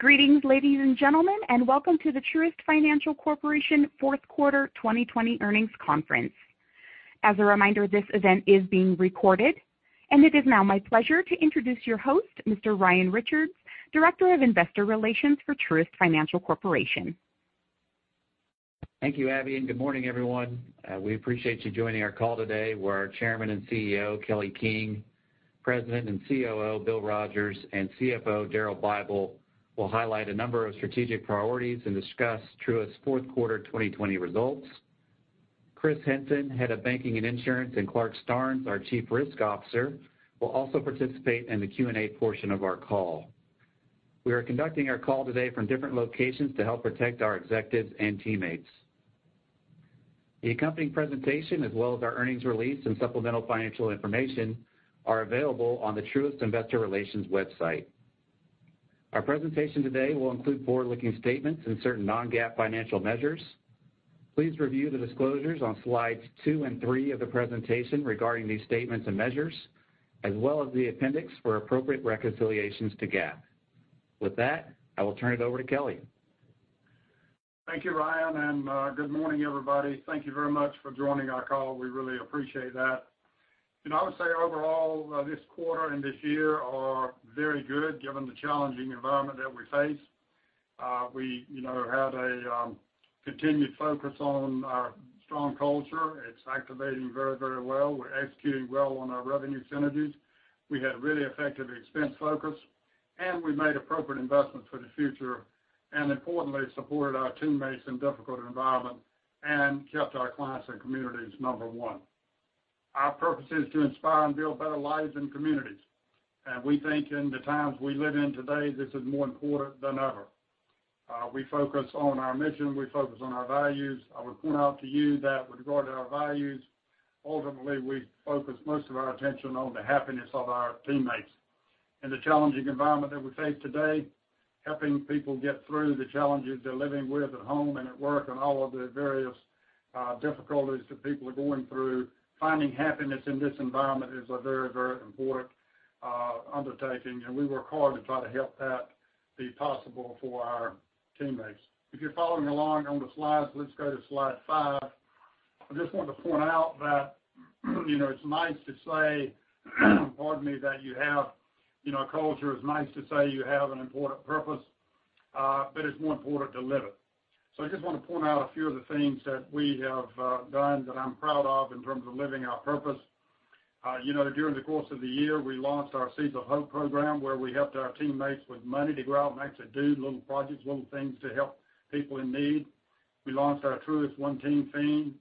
Greetings, ladies and gentlemen, and welcome to the Truist Financial Corporation fourth quarter 2020 earnings conference. As a reminder, this event is being recorded, and it is now my pleasure to introduce your host, Mr. Ryan Richards, Director of Investor Relations for Truist Financial Corporation. Thank you, Abby, and good morning, everyone. We appreciate you joining our call today, where our Chairman and CEO, Kelly King, President and COO, Bill Rogers, and CFO, Daryl Bible will highlight a number of strategic priorities and discuss Truist's fourth quarter 2020 results. Chris Henson, Head of Banking and Insurance, and Clarke Starnes, our Chief Risk Officer, will also participate in the Q&A portion of our call. We are conducting our call today from different locations to help protect our executives and teammates. The accompanying presentation, as well as our earnings release and supplemental financial information, are available on the Truist investor relations website. Our presentation today will include forward-looking statements and certain non-GAAP financial measures. Please review the disclosures on slides two and three of the presentation regarding these statements and measures, as well as the appendix for appropriate reconciliations to GAAP. With that, I will turn it over to Kelly. Thank you, Ryan, good morning, everybody. Thank you very much for joining our call. We really appreciate that. I would say overall, this quarter and this year are very good given the challenging environment that we face. We had a continued focus on our strong culture. It's activating very well. We're executing well on our revenue synergies. We had really effective expense focus, and we made appropriate investments for the future, and importantly, supported our teammates in difficult environment and kept our clients and communities number one. Our purpose is to inspire and build better lives and communities. We think in the times we live in today, this is more important than ever. We focus on our mission. We focus on our values. I would point out to you that with regard to our values, ultimately, we focus most of our attention on the happiness of our teammates. In the challenging environment that we face today, helping people get through the challenges they're living with at home and at work and all of the various difficulties that people are going through, finding happiness in this environment is a very important undertaking, and we work hard to try to help that be possible for our teammates. If you're following along on the slides, let's go to slide five. I just wanted to point out that it's nice to say, pardon me, that you have a culture. It's nice to say you have an important purpose, but it's more important to live it. I just want to point out a few of the things that we have done that I'm proud of in terms of living our purpose. During the course of the year, we launched our Seeds of Hope program, where we helped our teammates with money to go out and actually do little projects, little things to help people in need. We launched our Truist One Team fund,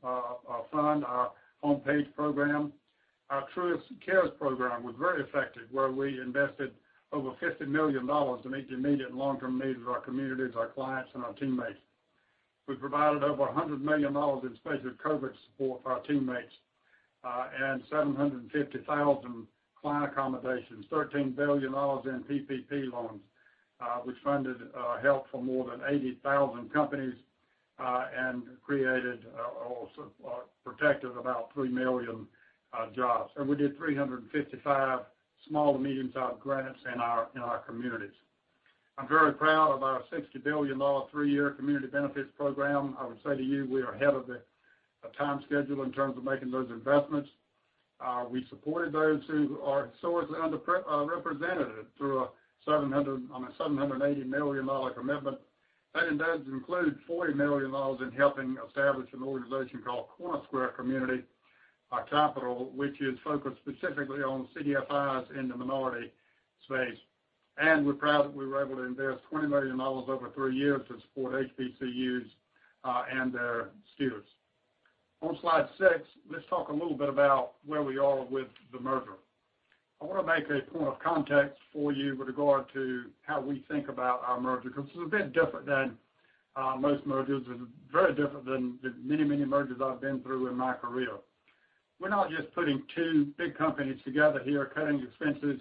our Home Page program. Our Truist Cares program was very effective, where we invested over $50 million to meet the immediate and long-term needs of our communities, our clients, and our teammates. We provided over $100 million in specific COVID support for our teammates, 750,000 client accommodations, $13 billion in PPP loans, which funded help for more than 80,000 companies, and protected about 3 million jobs. We did 355 small to medium-sized grants in our communities. I am very proud of our $60 billion three-year Community Benefits program. I would say to you, we are ahead of the time schedule in terms of making those investments. We supported those who are sorely underrepresented through a $780 million commitment. That does include $40 million in helping establish an organization called CornerSquare Community Capital, which is focused specifically on CDFIs in the minority space. We're proud that we were able to invest $20 million over three years to support HBCUs and their students. On slide six, let's talk a little bit about where we are with the merger. I want to make a point of context for you with regard to how we think about our merger, because this is a bit different than most mergers. This is very different than the many mergers I've been through in my career. We're not just putting two big companies together here, cutting expenses,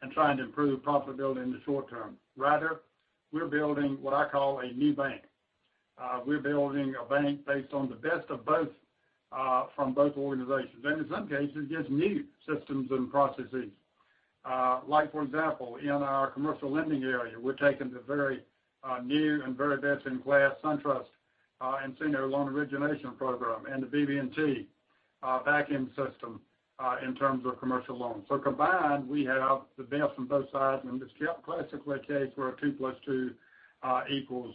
and trying to improve profitability in the short term. Rather, we're building what I call a new bank. We're building a bank based on the best of both from both organizations, and in some cases, just new systems and processes. For example, in our commercial lending area, we're taking the very new and very best in class SunTrust, our nCino loan origination program and the BB&T back-end system, in terms of commercial loans. Combined, we have the best from both sides, and it's a classical case where 2 + 2 = 5.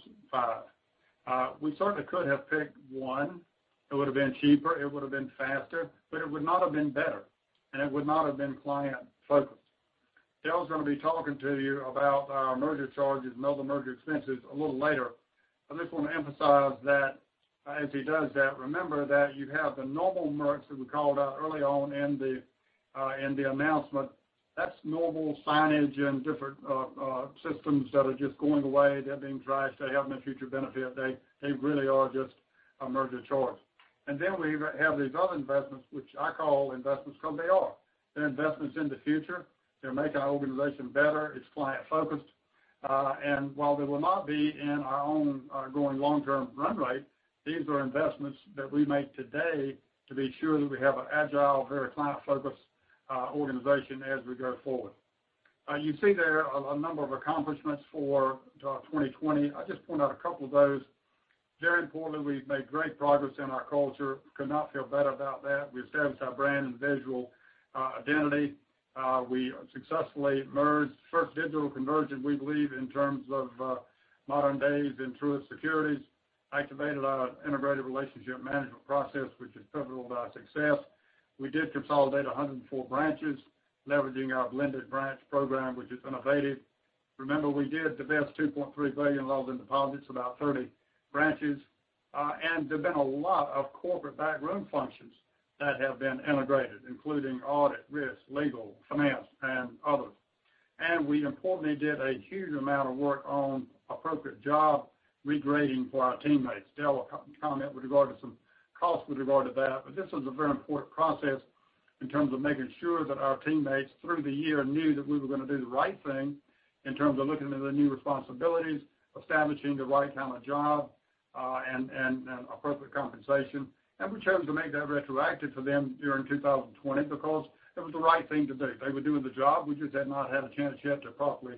We certainly could have picked one. It would've been cheaper. It would've been faster. It would not have been better, and it would not have been client-focused. Daryl's going to be talking to you about our merger charges and other merger expenses a little later. I just want to emphasize that as he does that, remember that you have the normal MRCs that we called out early on in the announcement. That's normal signage and different systems that are just going away. They're being trashed. They have no future benefit. They really are just a merger charge. Then we have these other investments, which I call investments because they are. They're investments in the future. They'll make our organization better. It's client-focused. While they will not be in our own going long-term run rate, these are investments that we make today to be sure that we have an agile, very client-focused our organization as we go forward. You see there a number of accomplishments for 2020. I'll just point out a couple of those. Very importantly, we've made great progress in our culture. Could not feel better about that. We established our brand and visual identity. We successfully merged. First digital conversion, we believe, in terms of modern days in Truist Securities. Activated our integrated relationship management process, which is pivotal to our success. We did consolidate 104 branches, leveraging our blended branch program, which is innovative. Remember, we did divest $2.3 billion loans and deposits, about 30 branches. There's been a lot of corporate back room functions that have been integrated, including audit, risk, legal, finance, and others. We importantly did a huge amount of work on appropriate job regrading for our teammates. Daryl will comment with regards to some costs with regard to that, but this was a very important process in terms of making sure that our teammates, through the year, knew that we were going to do the right thing in terms of looking into the new responsibilities, establishing the right kind of job, and appropriate compensation. We chose to make that retroactive for them during 2020 because it was the right thing to do. They were doing the job, we just had not had a chance yet to properly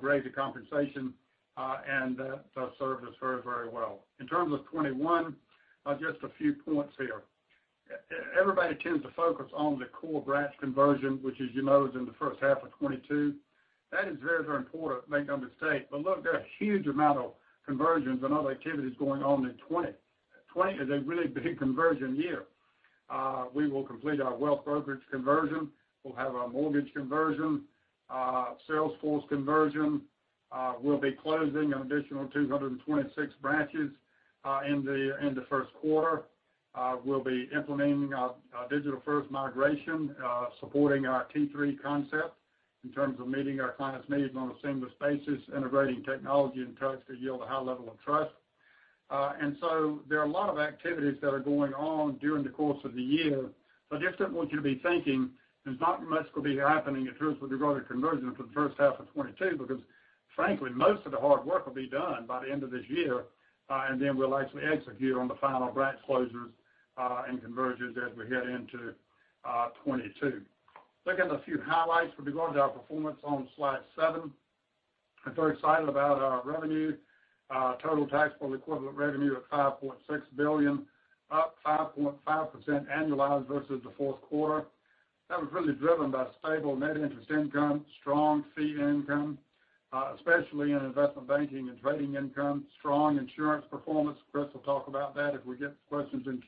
raise the compensation. That served us very well. In terms of 2021, just a few points here. Everybody tends to focus on the core branch conversion, which as you know, is in the first half of 2022. That is very important, make no mistake. Look, there are a huge amount of conversions and other activities going on in 2020. 2020 is a really big conversion year. We will complete our wealth brokerage conversion. We'll have our mortgage conversion, sales force conversion. We'll be closing an additional 226 branches in the first quarter. We'll be implementing our digital-first migration, supporting our T3 concept in terms of meeting our clients' needs on a seamless basis, integrating technology and trust to yield a high level of trust. There are a lot of activities that are going on during the course of the year. I just didn't want you to be thinking there's not much going to be happening at Truist with regard to conversion for the first half of 2022, because frankly, most of the hard work will be done by the end of this year, and then we'll actually execute on the final branch closures, and conversions as we head into 2022. Looking at a few highlights with regard to our performance on slide seven. I'm very excited about our revenue. Total taxable equivalent revenue at $5.6 billion, up 5.5% annualized versus the fourth quarter. That was really driven by stable net interest income, strong fee income, especially in investment banking and trading income. Strong insurance performance. Chris will talk about that if we get questions in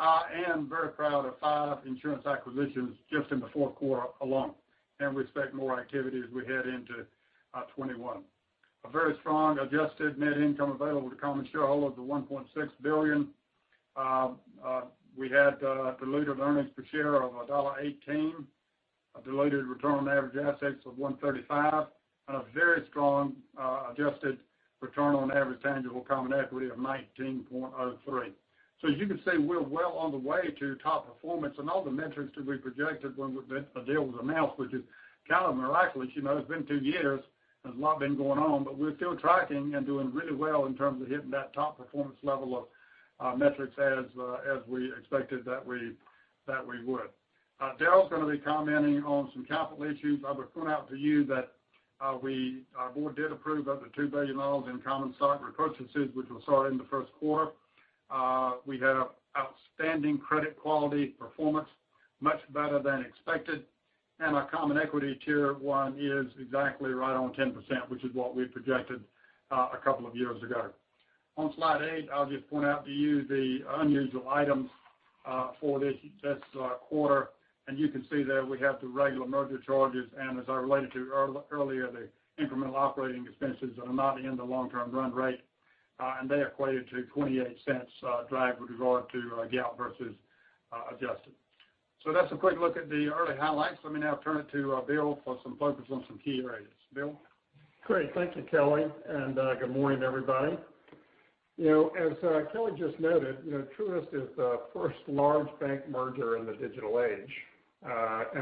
Q&A. Very proud of five insurance acquisitions just in the fourth quarter alone, and we expect more activity as we head into 2021. A very strong adjusted net income available to common shareholders of $1.6 billion. We had a diluted earnings per share of $1.18, a diluted return on average assets of 1.35%, and a very strong adjusted return on average tangible common equity of 19.03%. As you can see, we're well on the way to top performance and all the metrics that we projected when the deal was announced, which is kind of miraculous. It's been two years. There's a lot been going on, but we're still tracking and doing really well in terms of hitting that top performance level of our metrics as we expected that we would. Daryl's going to be commenting on some capital issues. I would point out to you that our board did approve up to $2 billion in common stock repurchases, which will start in the first quarter. We had outstanding credit quality performance, much better than expected, and our Common Equity Tier 1 is exactly right on 10%, which is what we projected a couple of years ago. On slide eight, I'll just point out to you the unusual items for this quarter. You can see there we have the regular merger charges and as I related to earlier, the incremental operating expenses that are not in the long-term run rate, and they equated to $0.28 drag with regard to GAAP versus adjusted. That's a quick look at the early highlights. Let me now turn it to Bill for some focus on some key areas. Bill? Great. Thank you, Kelly, and good morning, everybody. As Kelly just noted, Truist is the first large bank merger in the digital age.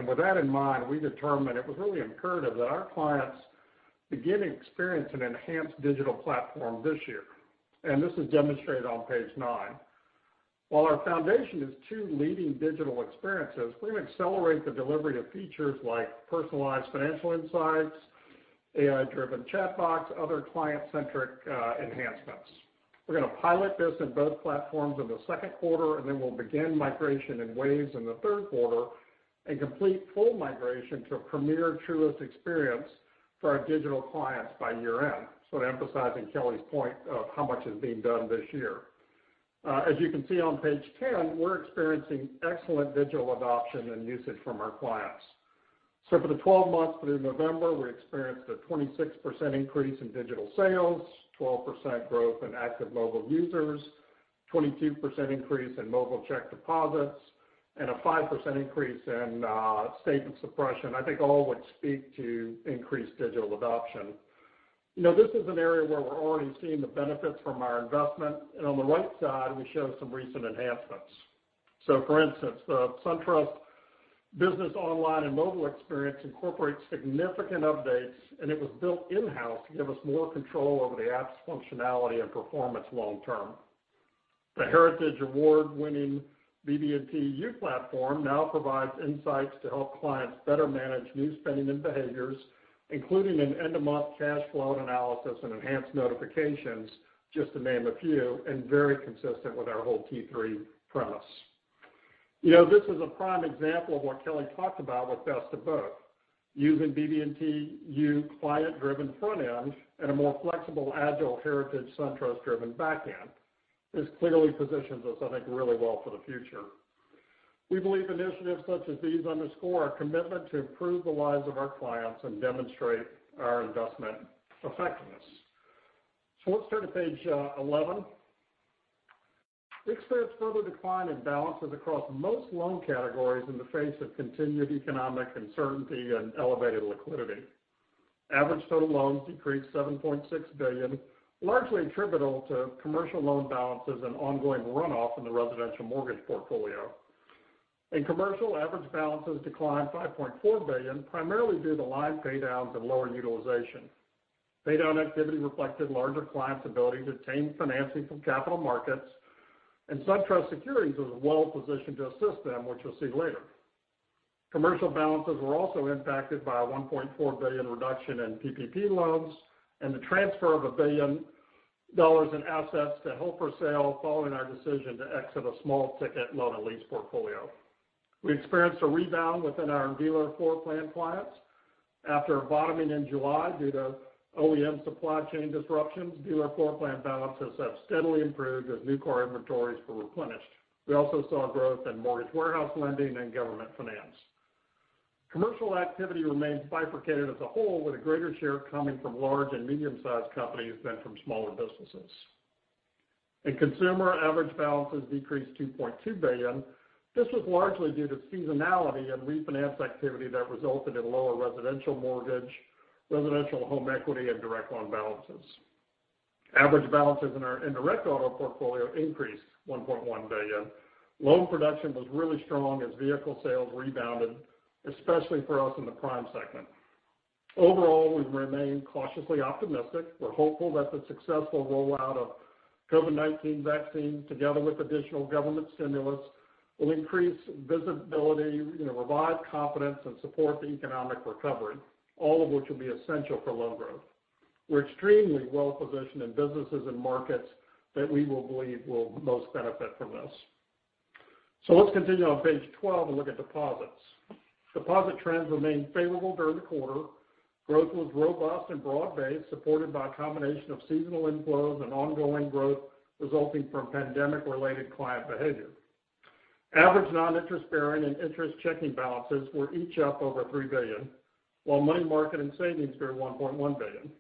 With that in mind, we determined it was really imperative that our clients begin experiencing an enhanced digital platform this year. This is demonstrated on page nine. While our foundation is two leading digital experiences, we're going to accelerate the delivery of features like personalized financial insights, AI-driven chatbots, other client-centric enhancements. We're going to pilot this in both platforms in the second quarter, and then we'll begin migration in waves in the third quarter and complete full migration to a premier Truist experience for our digital clients by year-end. Emphasizing Kelly's point of how much is being done this year. As you can see on page 10, we're experiencing excellent digital adoption and usage from our clients. For the 12 months through November, we experienced a 26% increase in digital sales, 12% growth in active mobile users, 22% increase in mobile check deposits, and a 5% increase in statement suppression. I think all would speak to increased digital adoption. This is an area where we're already seeing the benefits from our investment. On the right side, we show some recent enhancements. For instance, the SunTrust business online and mobile experience incorporates significant updates, and it was built in-house to give us more control over the app's functionality and performance long term. The Heritage award-winning BB&T U platform now provides insights to help clients better manage new spending and behaviors, including an end-of-month cash flow analysis and enhanced notifications, just to name a few. Very consistent with our whole T3 premise. This is a prime example of what Kelly talked about with best of both. Using BB&T U client-driven front end and a more flexible, agile Heritage SunTrust-driven back end. This clearly positions us, I think, really well for the future. We believe initiatives such as these underscore our commitment to improve the lives of our clients and demonstrate our investment effectiveness. Let's turn to page 11. We experienced further decline in balances across most loan categories in the face of continued economic uncertainty and elevated liquidity. Average total loans decreased $7.6 billion, largely attributable to commercial loan balances and ongoing runoff in the residential mortgage portfolio. In commercial, average balances declined $5.4 billion, primarily due to line paydowns and lower utilization. Paydown activity reflected larger clients' ability to obtain financing from capital markets, and SunTrust Securities was well-positioned to assist them, which you'll see later. Commercial balances were also impacted by a $1.4 billion reduction in PPP loans and the transfer of $1 billion in assets to hold for sale following our decision to exit a small-ticket loan and lease portfolio. We experienced a rebound within our dealer floor plan clients. After bottoming in July due to OEM supply chain disruptions, dealer floor plan balances have steadily improved as new car inventories were replenished. We also saw growth in mortgage warehouse lending and government finance. Commercial activity remains bifurcated as a whole, with a greater share coming from large and medium-sized companies than from smaller businesses. In consumer, average balances decreased $2.2 billion. This was largely due to seasonality and refinance activity that resulted in lower residential mortgage, residential home equity, and direct loan balances. Average balances in our indirect auto portfolio increased $1.1 billion. Loan production was really strong as vehicle sales rebounded, especially for us in the prime segment. Overall, we remain cautiously optimistic. We're hopeful that the successful rollout of COVID-19 vaccine, together with additional government stimulus, will increase visibility, revive confidence, and support the economic recovery, all of which will be essential for loan growth. We're extremely well-positioned in businesses and markets that we believe will most benefit from this. Let's continue on page 12 and look at deposits. Deposit trends remained favorable during the quarter. Growth was robust and broad-based, supported by a combination of seasonal inflows and ongoing growth resulting from pandemic-related client behavior. Average non-interest-bearing and interest checking balances were each up over $3 billion, while money market and savings grew $1.1 billion.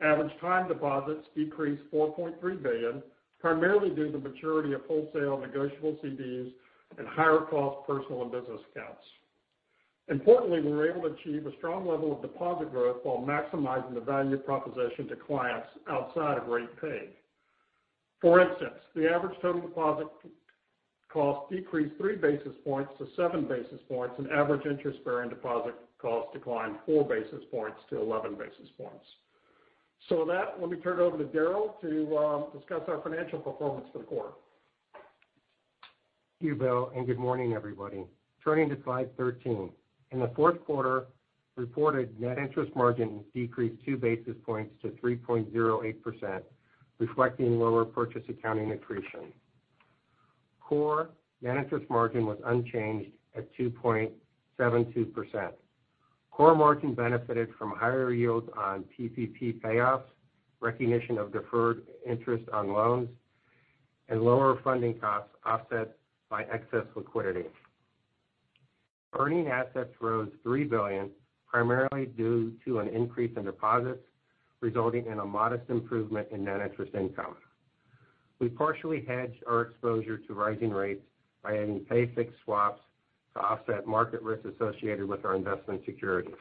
Average time deposits decreased $4.3 billion, primarily due to maturity of wholesale negotiable CDs and higher-cost personal and business accounts. Importantly, we were able to achieve a strong level of deposit growth while maximizing the value proposition to clients outside of rate paid. For instance, the average total deposit cost decreased 3 basis points to 7 basis points, and average interest-bearing deposit cost declined 4 basis points to 11 basis points. With that, let me turn it over to Daryl to discuss our financial performance for the quarter. Thank you, Bill. Good morning, everybody. Turning to slide 13. In the fourth quarter, reported net interest margin decreased 2 basis points to 3.08%, reflecting lower purchase accounting accretion. Core net interest margin was unchanged at 2.72%. Core margin benefited from higher yields on PPP payoffs, recognition of deferred interest on loans, and lower funding costs offset by excess liquidity. Earning assets rose $3 billion, primarily due to an increase in deposits, resulting in a modest improvement in net interest income. We partially hedged our exposure to rising rates by adding pay fixed swaps to offset market risk associated with our investment securities.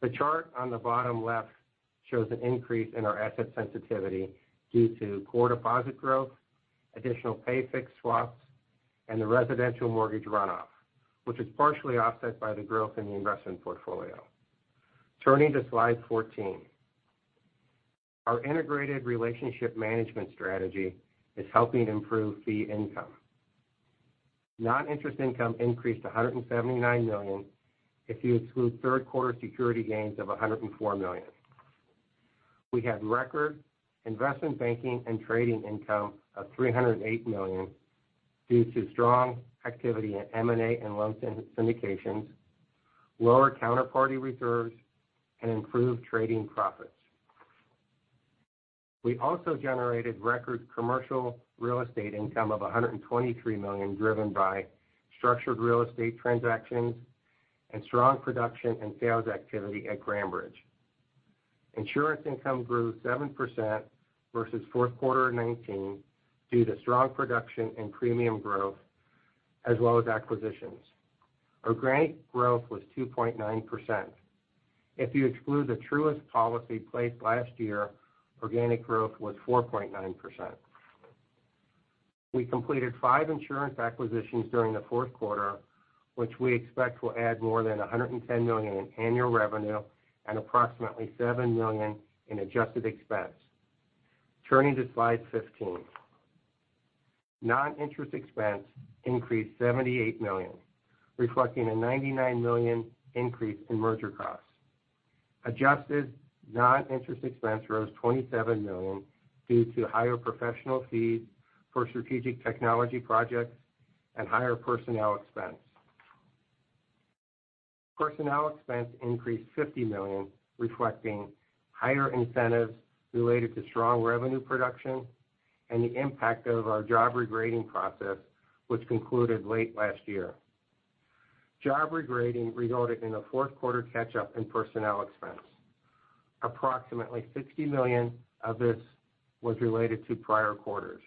The chart on the bottom left shows an increase in our asset sensitivity due to core deposit growth, additional pay fixed swaps, and the residential mortgage runoff, which is partially offset by the growth in the investment portfolio. Turning to slide 14. Our integrated relationship management strategy is helping improve fee income. Non-interest income increased to $179 million if you exclude third-quarter security gains of $104 million. We had record investment banking and trading income of $308 million due to strong activity in M&A and loan syndications, lower counterparty reserves, and improved trading profits. We also generated record commercial real estate income of $123 million, driven by structured real estate transactions and strong production and sales activity at Grandbridge. Insurance income grew 7% versus fourth quarter of 2019 due to strong production and premium growth, as well as acquisitions. Organic growth was 2.9%. If you exclude the Truist policy placed last year, organic growth was 4.9%. We completed five insurance acquisitions during the fourth quarter, which we expect will add more than $110 million in annual revenue and approximately $7 million in adjusted expense. Turning to slide 15. Non-interest expense increased $78 million, reflecting a $99 million increase in merger costs. Adjusted non-interest expense rose $27 million due to higher professional fees for strategic technology projects and higher personnel expense. Personnel expense increased $50 million, reflecting higher incentives related to strong revenue production and the impact of our job regrading process, which concluded late last year. Job regrading resulted in a fourth quarter catch-up in personnel expense. Approximately $60 million of this was related to prior quarters.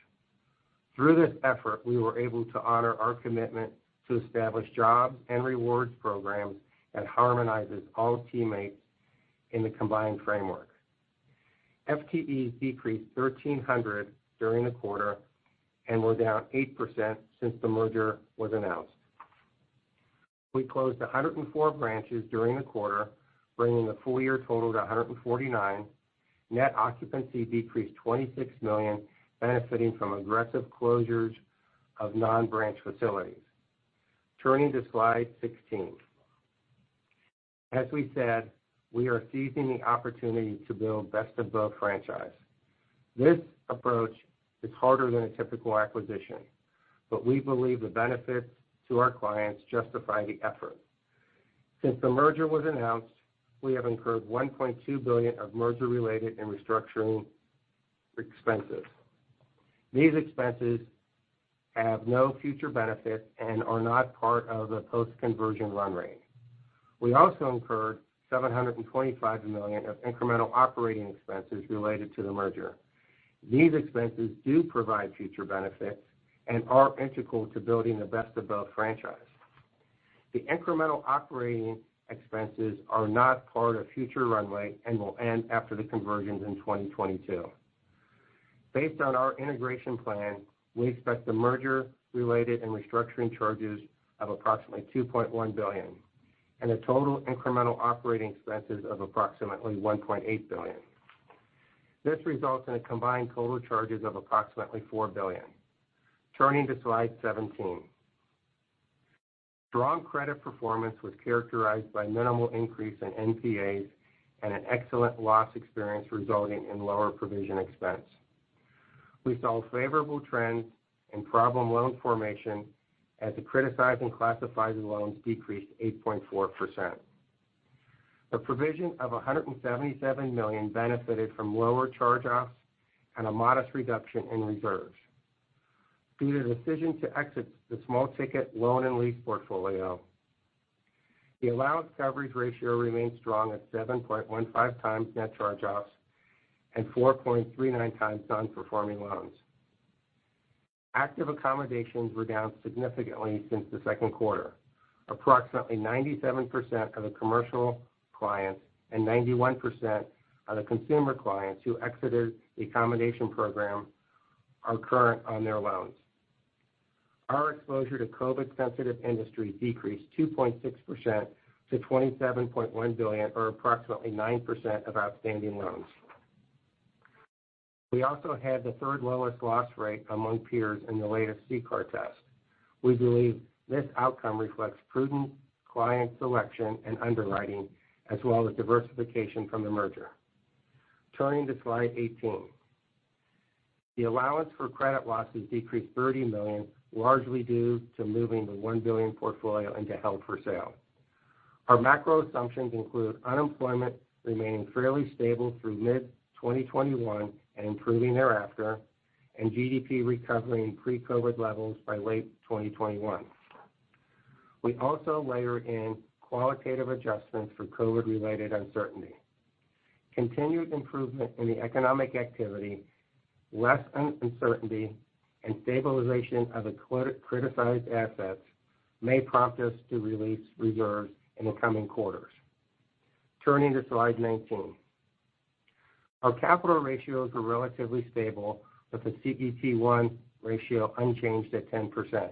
Through this effort, we were able to honor our commitment to establish jobs and rewards programs that harmonizes all teammates in the combined framework. FTEs decreased 1,300 during the quarter and were down 8% since the merger was announced. We closed 104 branches during the quarter, bringing the full-year total to 149. Net occupancy decreased $26 million, benefiting from aggressive closures of non-branch facilities. Turning to slide 16. As we said, we are seizing the opportunity to build best-of-both franchise. This approach is harder than a typical acquisition, but we believe the benefits to our clients justify the effort. Since the merger was announced, we have incurred $1.2 billion of merger-related and restructuring expenses. These expenses have no future benefit and are not part of the post-conversion run rate. We also incurred $725 million of incremental operating expenses related to the merger. These expenses do provide future benefits and are integral to building a best-of-both franchise. The incremental operating expenses are not part of future run rate and will end after the conversions in 2022. Based on our integration plan, we expect the merger-related and restructuring charges of approximately $2.1 billion and the total incremental operating expenses of approximately $1.8 billion. This results in a combined total charges of approximately $4 billion. Turning to slide 17. Strong credit performance was characterized by minimal increase in NPAs and an excellent loss experience resulting in lower provision expense. We saw favorable trends in problem loan formation as the criticized and classified loans decreased 8.4%. The provision of $177 million benefited from lower charge-offs and a modest reduction in reserves. Due to the decision to exit the small-ticket loan and lease portfolio, the allowance coverage ratio remains strong at 7.15x net charge-offs and 4.39x non-performing loans. Active accommodations were down significantly since the second quarter. Approximately 97% of the commercial clients and 91% of the consumer clients who exited the accommodation program are current on their loans. Our exposure to COVID-sensitive industries decreased 2.6% to $27.1 billion or approximately 9% of outstanding loans. We also had the third lowest loss rate among peers in the latest CCAR test. We believe this outcome reflects prudent client selection and underwriting, as well as diversification from the merger. Turning to slide 18. The allowance for credit losses decreased $30 million, largely due to moving the $1 billion portfolio into held-for-sale. Our macro assumptions include unemployment remaining fairly stable through mid-2021 and improving thereafter, and GDP recovering pre-COVID levels by late 2021. We also layer in qualitative adjustments for COVID-related uncertainty. Continued improvement in the economic activity, less uncertainty, and stabilization of the criticized assets may prompt us to release reserves in the coming quarters. Turning to slide 19. Our capital ratios were relatively stable, with the CET1 ratio unchanged at 10%.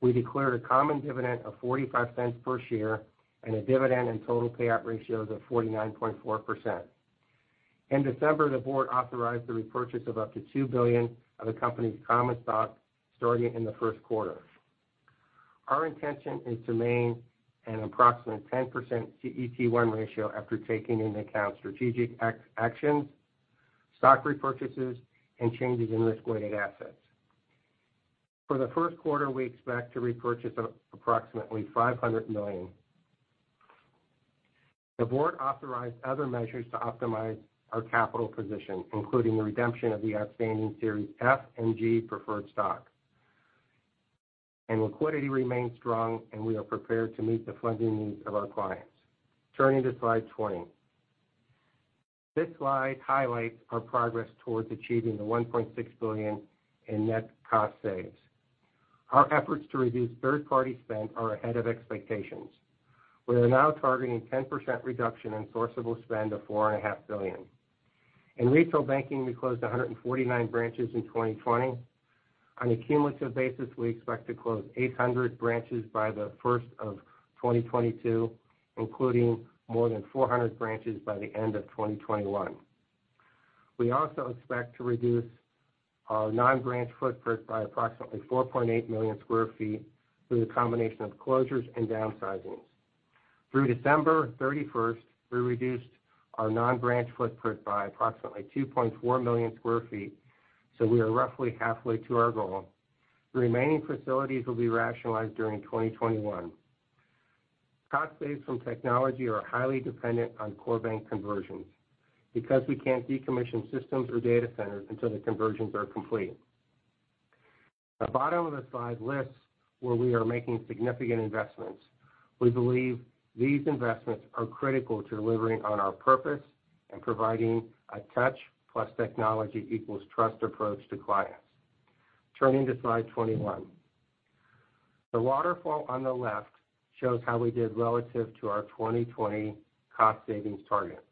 We declared a common dividend of $0.45 per share and a dividend and total payout ratios of 49.4%. In December, the board authorized the repurchase of up to $2 billion of the company's common stock starting in the first quarter. Our intention is to maintain an approximate 10% CET1 ratio after taking into account strategic actions, stock repurchases, and changes in risk-weighted assets. For the first quarter, we expect to repurchase approximately $500 million. The board authorized other measures to optimize our capital position, including the redemption of the outstanding Series F and G Preferred Stock. Liquidity remains strong, and we are prepared to meet the funding needs of our clients. Turning to slide 20. This slide highlights our progress towards achieving the $1.6 billion in net cost saves. Our efforts to reduce third-party spend are ahead of expectations. We are now targeting a 10% reduction in sourceable spend of $4.5 billion. In retail banking, we closed 149 branches in 2020. On a cumulative basis, we expect to close 800 branches by the first of 2022, including more than 400 branches by the end of 2021. We also expect to reduce our non-branch footprint by approximately 4.8 million sq ft through the combination of closures and downsizings. Through December 31st, we reduced our non-branch footprint by approximately 2.4 million sq ft, so we are roughly halfway to our goal. The remaining facilities will be rationalized during 2021. Cost saves from technology are highly dependent on core bank conversions because we can't decommission systems or data centers until the conversions are complete. The bottom of the slide lists where we are making significant investments. We believe these investments are critical to delivering on our purpose and providing a Touch + Technology = Trust approach to clients. Turning to slide 21. The waterfall on the left shows how we did relative to our 2020 cost savings target.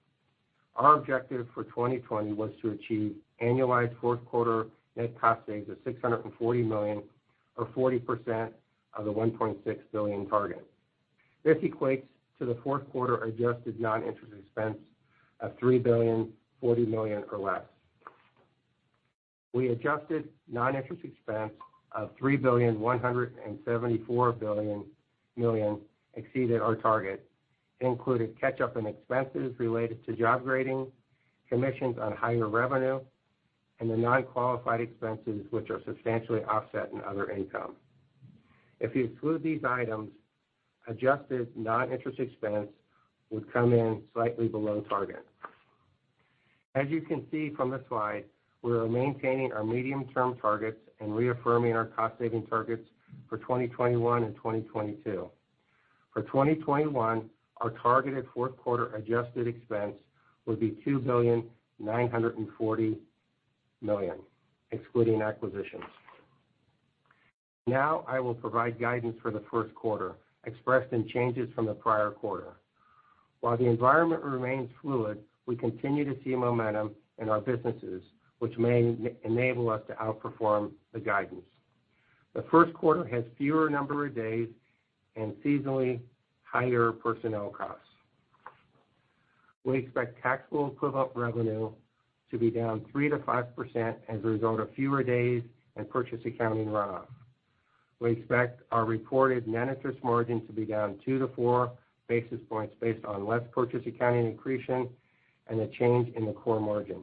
Our objective for 2020 was to achieve annualized fourth quarter net cost saves of $640 million or 40% of the $1.6 billion target. This equates to the fourth quarter adjusted non-interest expense of $3,040,000,000 or less. We adjusted non-interest expense of $3,174,000,000 exceeded our target. It included catch-up in expenses related to job grading, commissions on higher revenue, and the non-qualified expenses, which are substantially offset in other income. If you exclude these items, adjusted non-interest expense would come in slightly below target. As you can see from the slide, we are maintaining our medium-term targets and reaffirming our cost-saving targets for 2021 and 2022. For 2021, our targeted fourth quarter adjusted expense will be $2,940,000,000 excluding acquisitions. Now, I will provide guidance for the first quarter, expressed in changes from the prior quarter. While the environment remains fluid, we continue to see momentum in our businesses, which may enable us to outperform the guidance. The first quarter has fewer number of days and seasonally higher personnel costs. We expect tax equivalent revenue to be down 3%-5% as a result of fewer days and purchase accounting runoff. We expect our reported net interest margin to be down 2-4 basis points based on less purchase accounting accretion and a change in the core margin.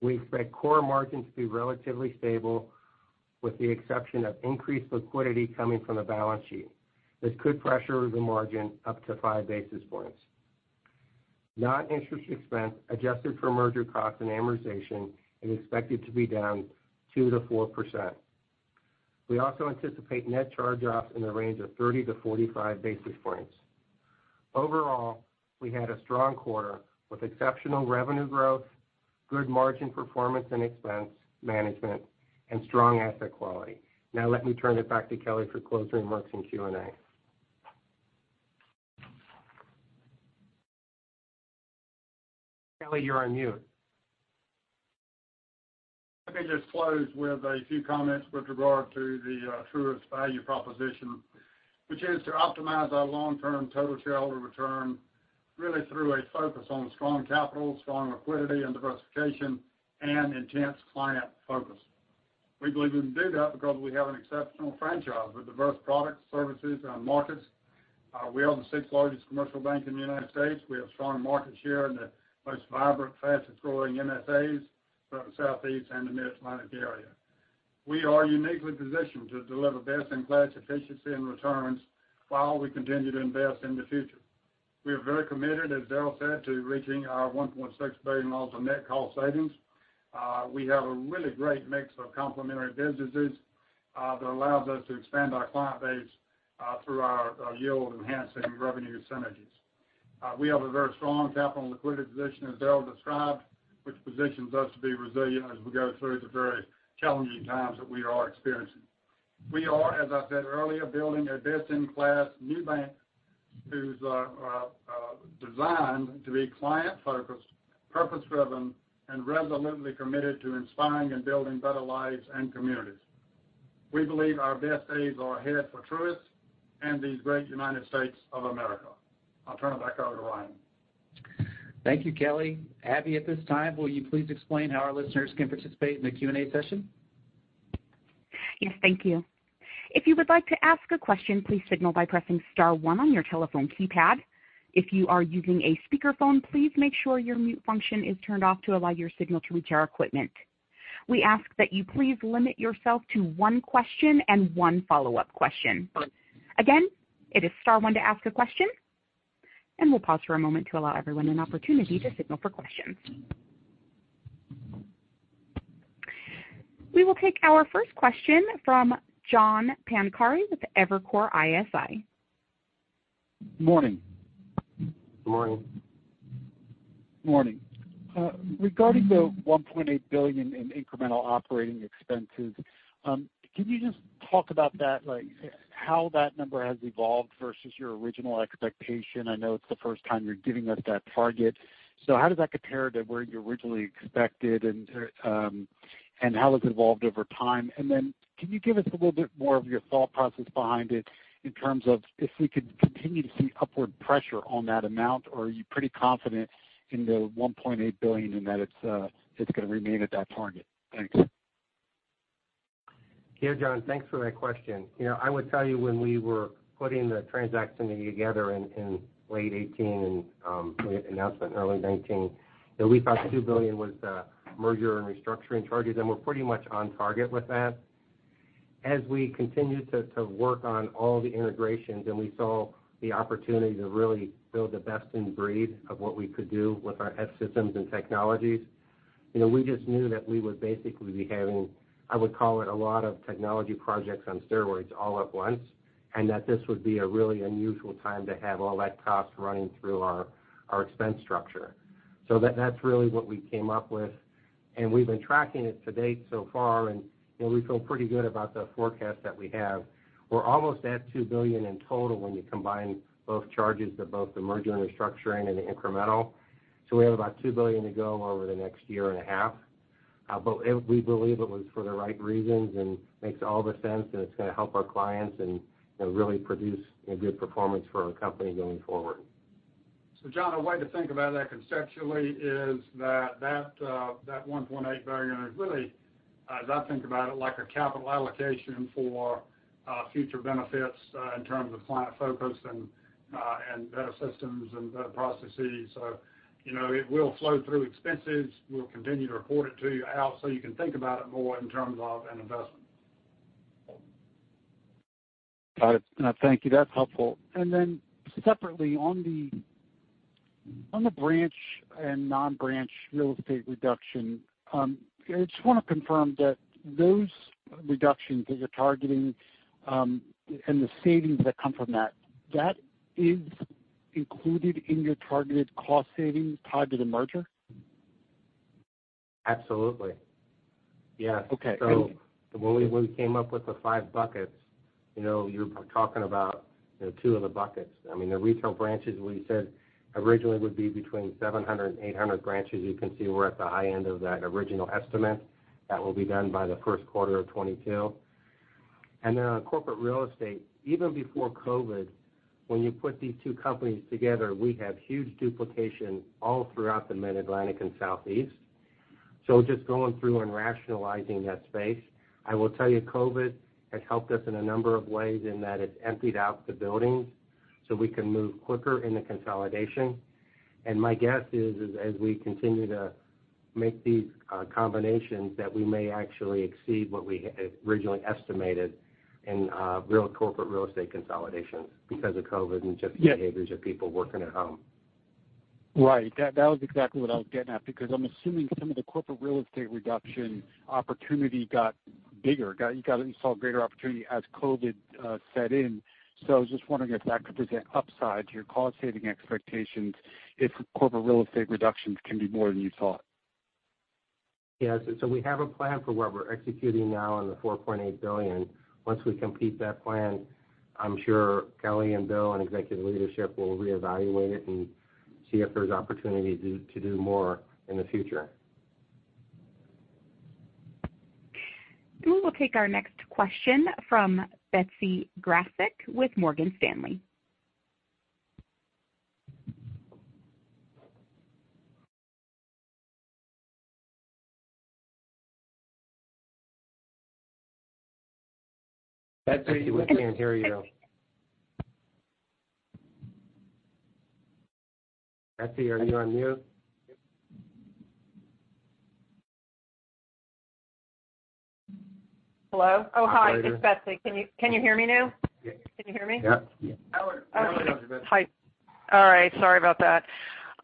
We expect core margin to be relatively stable, with the exception of increased liquidity coming from the balance sheet. This could pressure the margin up to 5 basis points. Non-interest expense, adjusted for merger costs and amortization, is expected to be down 2%-4%. We also anticipate net charge-offs in the range of 30-45 basis points. Overall, we had a strong quarter with exceptional revenue growth, good margin performance and expense management, and strong asset quality. Now let me turn it back to Kelly for closing remarks and Q&A. Kelly, you're on mute. Let me just close with a few comments with regard to the Truist value proposition, which is to optimize our long-term total shareholder return really through a focus on strong capital, strong liquidity and diversification, and intense client focus. We believe we can do that because we have an exceptional franchise with diverse products, services, and markets. We are the sixth-largest commercial bank in the United States. We have strong market share in the most vibrant, fastest-growing MSAs, both the Southeast and the Mid-Atlantic area. We are uniquely positioned to deliver best-in-class efficiency and returns while we continue to invest in the future. We are very committed, as Daryl said, to reaching our $1.6 billion ultimate cost savings. We have a really great mix of complementary businesses that allows us to expand our client base through our yield-enhancing revenue synergies. We have a very strong capital and liquidity position, as Daryl described, which positions us to be resilient as we go through the very challenging times that we are experiencing. We are, as I said earlier, building a best-in-class new bank who's designed to be client-focused, purpose-driven, and resolutely committed to inspiring and building better lives and communities. We believe our best days are ahead for Truist and these great United States of America. I'll turn it back over to Ryan. Thank you, Kelly. Abby, at this time, will you please explain how our listeners can participate in the Q&A session? Yes, thank you. If you would like to ask a question, please signal by pressing star one on your telephone keypad. If you are using a speakerphone, please make sure your mute function is turned off to allow your signal to reach our equipment. We ask that you please limit yourself to one question and one follow-up question. Again, it is star one to ask a question. We'll pause for a moment to allow everyone an opportunity to signal for questions. We will take our first question from John Pancari with Evercore ISI. Morning. Morning. Morning. Regarding the $1.8 billion in incremental operating expenses, can you just talk about that, like how that number has evolved versus your original expectation? I know it's the first time you're giving us that target. How does that compare to where you originally expected, and how has it evolved over time? Can you give us a little bit more of your thought process behind it in terms of if we could continue to see upward pressure on that amount, or are you pretty confident in the $1.8 billion and that it's going to remain at that target? Thanks. Yeah, John, thanks for that question. I would tell you, when we were putting the transaction together in late 2018 and made the announcement in early 2019, that we thought the $2 billion was the merger and restructuring charges, and we're pretty much on target with that. We continued to work on all the integrations and we saw the opportunity to really build the best in breed of what we could do with our systems and technologies, we just knew that we would basically be having, I would call it, a lot of technology projects on steroids all at once, and that this would be a really unusual time to have all that cost running through our expense structure. That's really what we came up with, and we've been tracking it to date so far, and we feel pretty good about the forecast that we have. We're almost at $2 billion in total when you combine both charges of both the merger and restructuring and the incremental. We have about $2 billion to go over the next year and a half. We believe it was for the right reasons and makes all the sense, and it's going to help our clients and really produce a good performance for our company going forward. John, a way to think about that conceptually is that $1.8 billion is really, as I think about it, like a capital allocation for future benefits, in terms of client focus and better systems and better processes. It will flow through expenses. We'll continue to report it to you out so you can think about it more in terms of an investment. Got it. No, thank you. That's helpful. Separately, on the branch and non-branch real estate reduction, I just want to confirm that those reductions that you're targeting, and the savings that come from that is included in your targeted cost savings tied to the merger? Absolutely. Yeah. Okay. When we came up with the five buckets, you're talking about two of the buckets. The retail branches, we said originally would be between 700 and 800 branches. You can see we're at the high end of that original estimate. That will be done by the first quarter of 2022. On corporate real estate, even before COVID, when you put these two companies together, we have huge duplication all throughout the mid-Atlantic and Southeast. Just going through and rationalizing that space. I will tell you COVID has helped us in a number of ways in that it's emptied out the buildings so we can move quicker in the consolidation. My guess is as we continue to make these combinations, that we may actually exceed what we had originally estimated in corporate real estate consolidation because of COVID and just the behaviors of people working at home. Right. That was exactly what I was getting at, because I'm assuming some of the corporate real estate reduction opportunity got bigger. You saw greater opportunity as COVID set in. I was just wondering if that could present upside to your cost-saving expectations if corporate real estate reductions can be more than you thought. Yes. We have a plan for what we're executing now on the 4.8 million sq ft. Once we complete that plan, I'm sure Kelly and Bill and executive leadership will reevaluate it and see if there's opportunity to do more in the future. We will take our next question from Betsy Graseck with Morgan Stanley. Betsy, we can't hear you. Betsy, are you on mute? Hello? Oh, hi. There you go. It's Betsy. Can you hear me now? Yes. Can you hear me? Yeah. Louder. Now we got you, Betsy. Hi. All right. Sorry about that.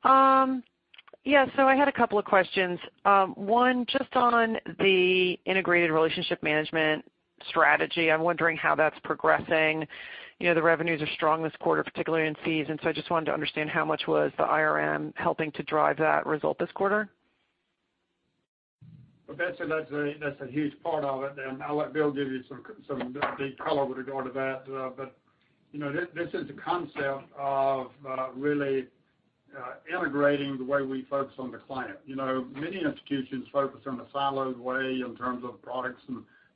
I had a couple of questions. One just on the integrated relationship management strategy. I'm wondering how that's progressing. The revenues are strong this quarter, particularly in fees. I just wanted to understand how much was the IRM helping to drive that result this quarter? Well, Betsy, that's a huge part of it, and I'll let Bill give you some deep color with regard to that. This is the concept of really integrating the way we focus on the client. Many institutions focus in a siloed way in terms of products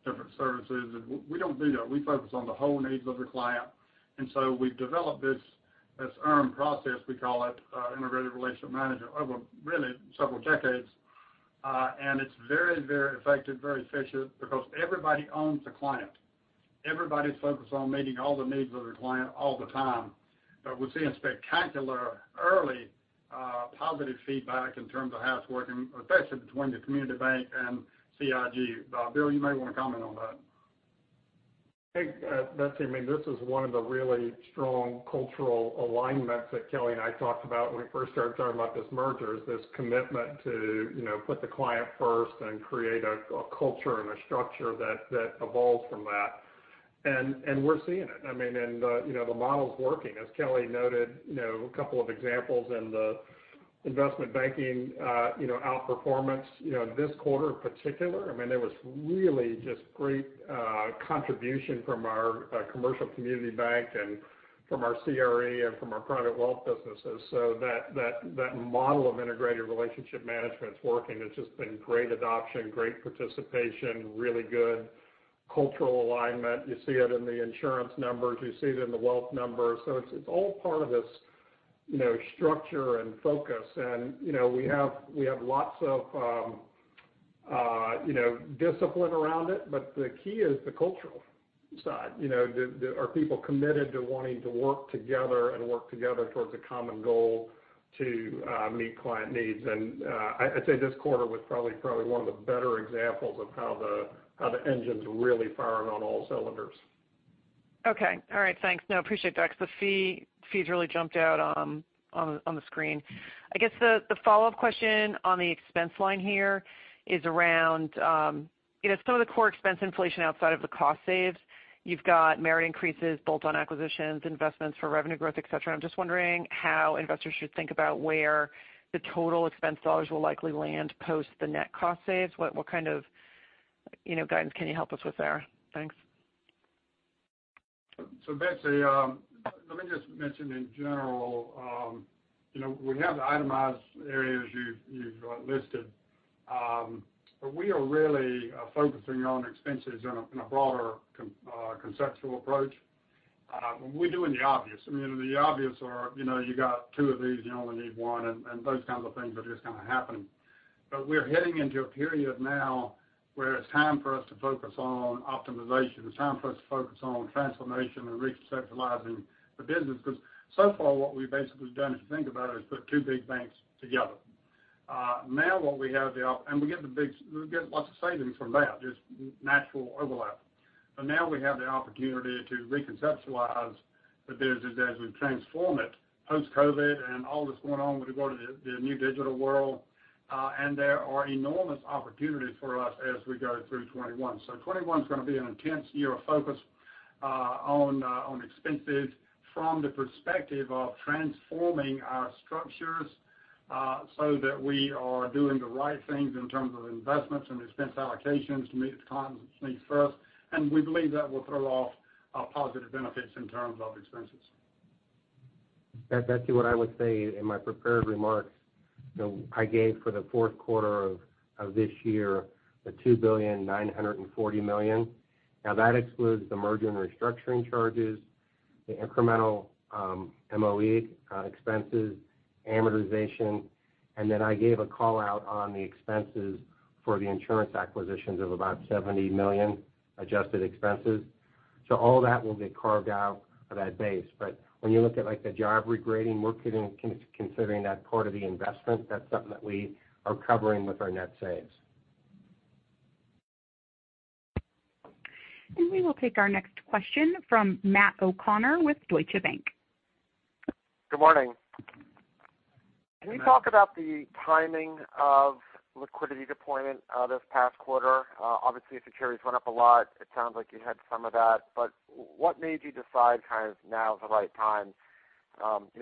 and different services, and we don't do that. We focus on the whole needs of the client. We've developed this IRM process, we call it, integrated relationship management, over really several decades. It's very effective, very efficient because everybody owns the client. Everybody's focused on meeting all the needs of the client all the time. We're seeing spectacular early positive feedback in terms of how it's working, especially between the community bank and CIG. Bill, you may want to comment on that. Hey, Betsy. I mean, this is one of the really strong cultural alignments that Kelly and I talked about when we first started talking about this merger, is this commitment to put the client first and create a culture and a structure that evolves from that. We're seeing it. The model's working. As Kelly noted, a couple of examples in the investment banking outperformance this quarter in particular. There was really just great contribution from our Commercial Community Bank and from our CRE and from our private wealth businesses. That model of integrated relationship management is working. It's just been great adoption, great participation, really good cultural alignment. You see it in the insurance numbers, you see it in the wealth numbers. It's all part of this structure and focus. We have lots of discipline around it, the key is the cultural side. Are people committed to wanting to work together and work together towards a common goal to meet client needs? I'd say this quarter was probably one of the better examples of how the engine's really firing on all cylinders. Okay. All right. Thanks. No, appreciate that. The fees really jumped out on the screen. I guess the follow-up question on the expense line here is around some of the core expense inflation outside of the cost saves. You've got merit increases, bolt-on acquisitions, investments for revenue growth, et cetera. I'm just wondering how investors should think about where the total expense dollars will likely land post the net cost saves. What kind of guidance can you help us with there? Thanks. Betsy, let me just mention in general we have the itemized areas you've listed. We are really focusing on expenses in a broader conceptual approach. We're doing the obvious. The obvious are you got two of these, you only need one, and those kinds of things are just kind of happening. We're heading into a period now where it's time for us to focus on optimization. It's time for us to focus on transformation and reconceptualizing the business because so far what we've basically done, if you think about it, is put two big banks together. We get lots of savings from that, just natural overlap. Now we have the opportunity to reconceptualize the business as we transform it post-COVID and all that's going on with regard to the new digital world. There are enormous opportunities for us as we go through 2021. 2021 is going to be an intense year of focus on expenses from the perspective of transforming our structures so that we are doing the right things in terms of investments and expense allocations to meet the clients' needs first. We believe that will throw off positive benefits in terms of expenses. Betsy, what I would say in my prepared remarks, I gave for the fourth quarter of this year, the $2,940,000,000. That excludes the merger and restructuring charges, the incremental MOE expenses, amortization, and then I gave a call out on the expenses for the insurance acquisitions of about $70 million adjusted expenses. All that will get carved out of that base. When you look at the job regrading, we're considering that part of the investment. That's something that we are covering with our net saves. We will take our next question from Matt O'Connor with Deutsche Bank. Good morning. Matt. Can you talk about the timing of liquidity deployment this past quarter? Obviously, securities went up a lot. It sounds like you had some of that, but what made you decide now is the right time?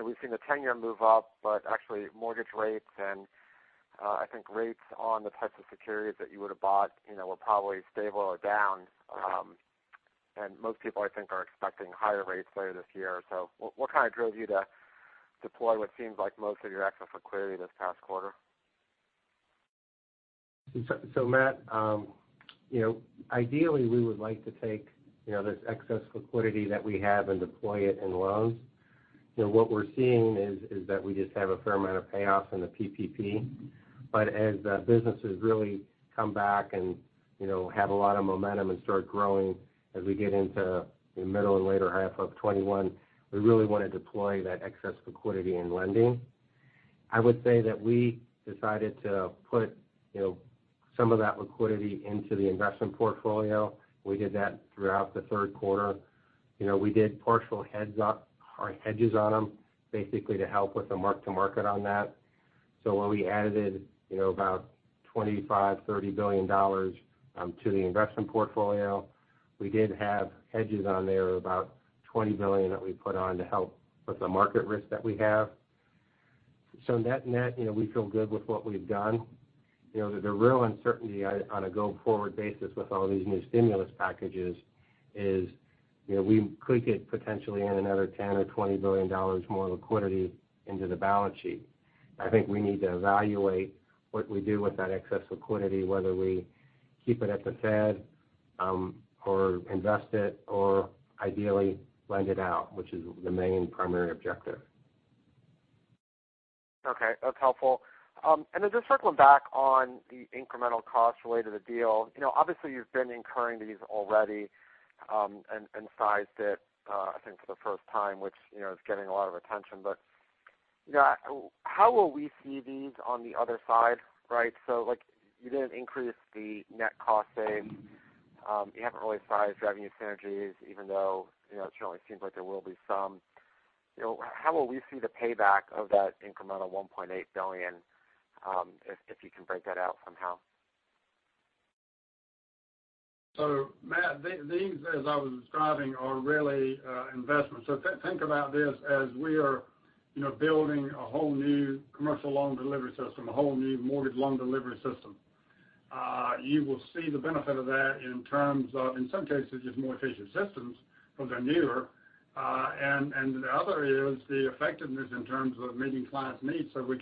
We've seen the 10-year move up, but actually mortgage rates and I think rates on the types of securities that you would have bought were probably stable or down. Most people, I think, are expecting higher rates later this year. What drove you to deploy what seems like most of your excess liquidity this past quarter? Matt, ideally we would like to take this excess liquidity that we have and deploy it in loans. What we're seeing is that we just have a fair amount of payoffs in the PPP. As businesses really come back and have a lot of momentum and start growing as we get into the middle and later half of 2021, we really want to deploy that excess liquidity in lending. I would say that we decided to put some of that liquidity into the investment portfolio. We did that throughout the third quarter. We did partial hedges on them basically to help with the mark-to-market on that. When we added about $25 billion-$30 billion to the investment portfolio, we did have hedges on there of about $20 billion that we put on to help with the market risk that we have. Net-net, we feel good with what we've done. The real uncertainty on a go-forward basis with all these new stimulus packages is we could get potentially in another $10 billion or $20 billion more liquidity into the balance sheet. I think we need to evaluate what we do with that excess liquidity, whether we keep it at the Fed or invest it, or ideally lend it out, which is the main primary objective. Okay. That's helpful. Then just circling back on the incremental costs related to deals. Obviously you've been incurring these already and sized it, I think for the first time, which is getting a lot of attention. How will we see these on the other side, right? You didn't increase the net cost save. You haven't really sized revenue synergies even though it certainly seems like there will be some. How will we see the payback of that incremental $1.8 billion, if you can break that out somehow? Matt, these, as I was describing, are really investments. Think about this as we are building a whole new commercial loan delivery system, a whole new mortgage loan delivery system. You will see the benefit of that in terms of, in some cases, just more efficient systems because they're newer. The other is the effectiveness in terms of meeting clients' needs so we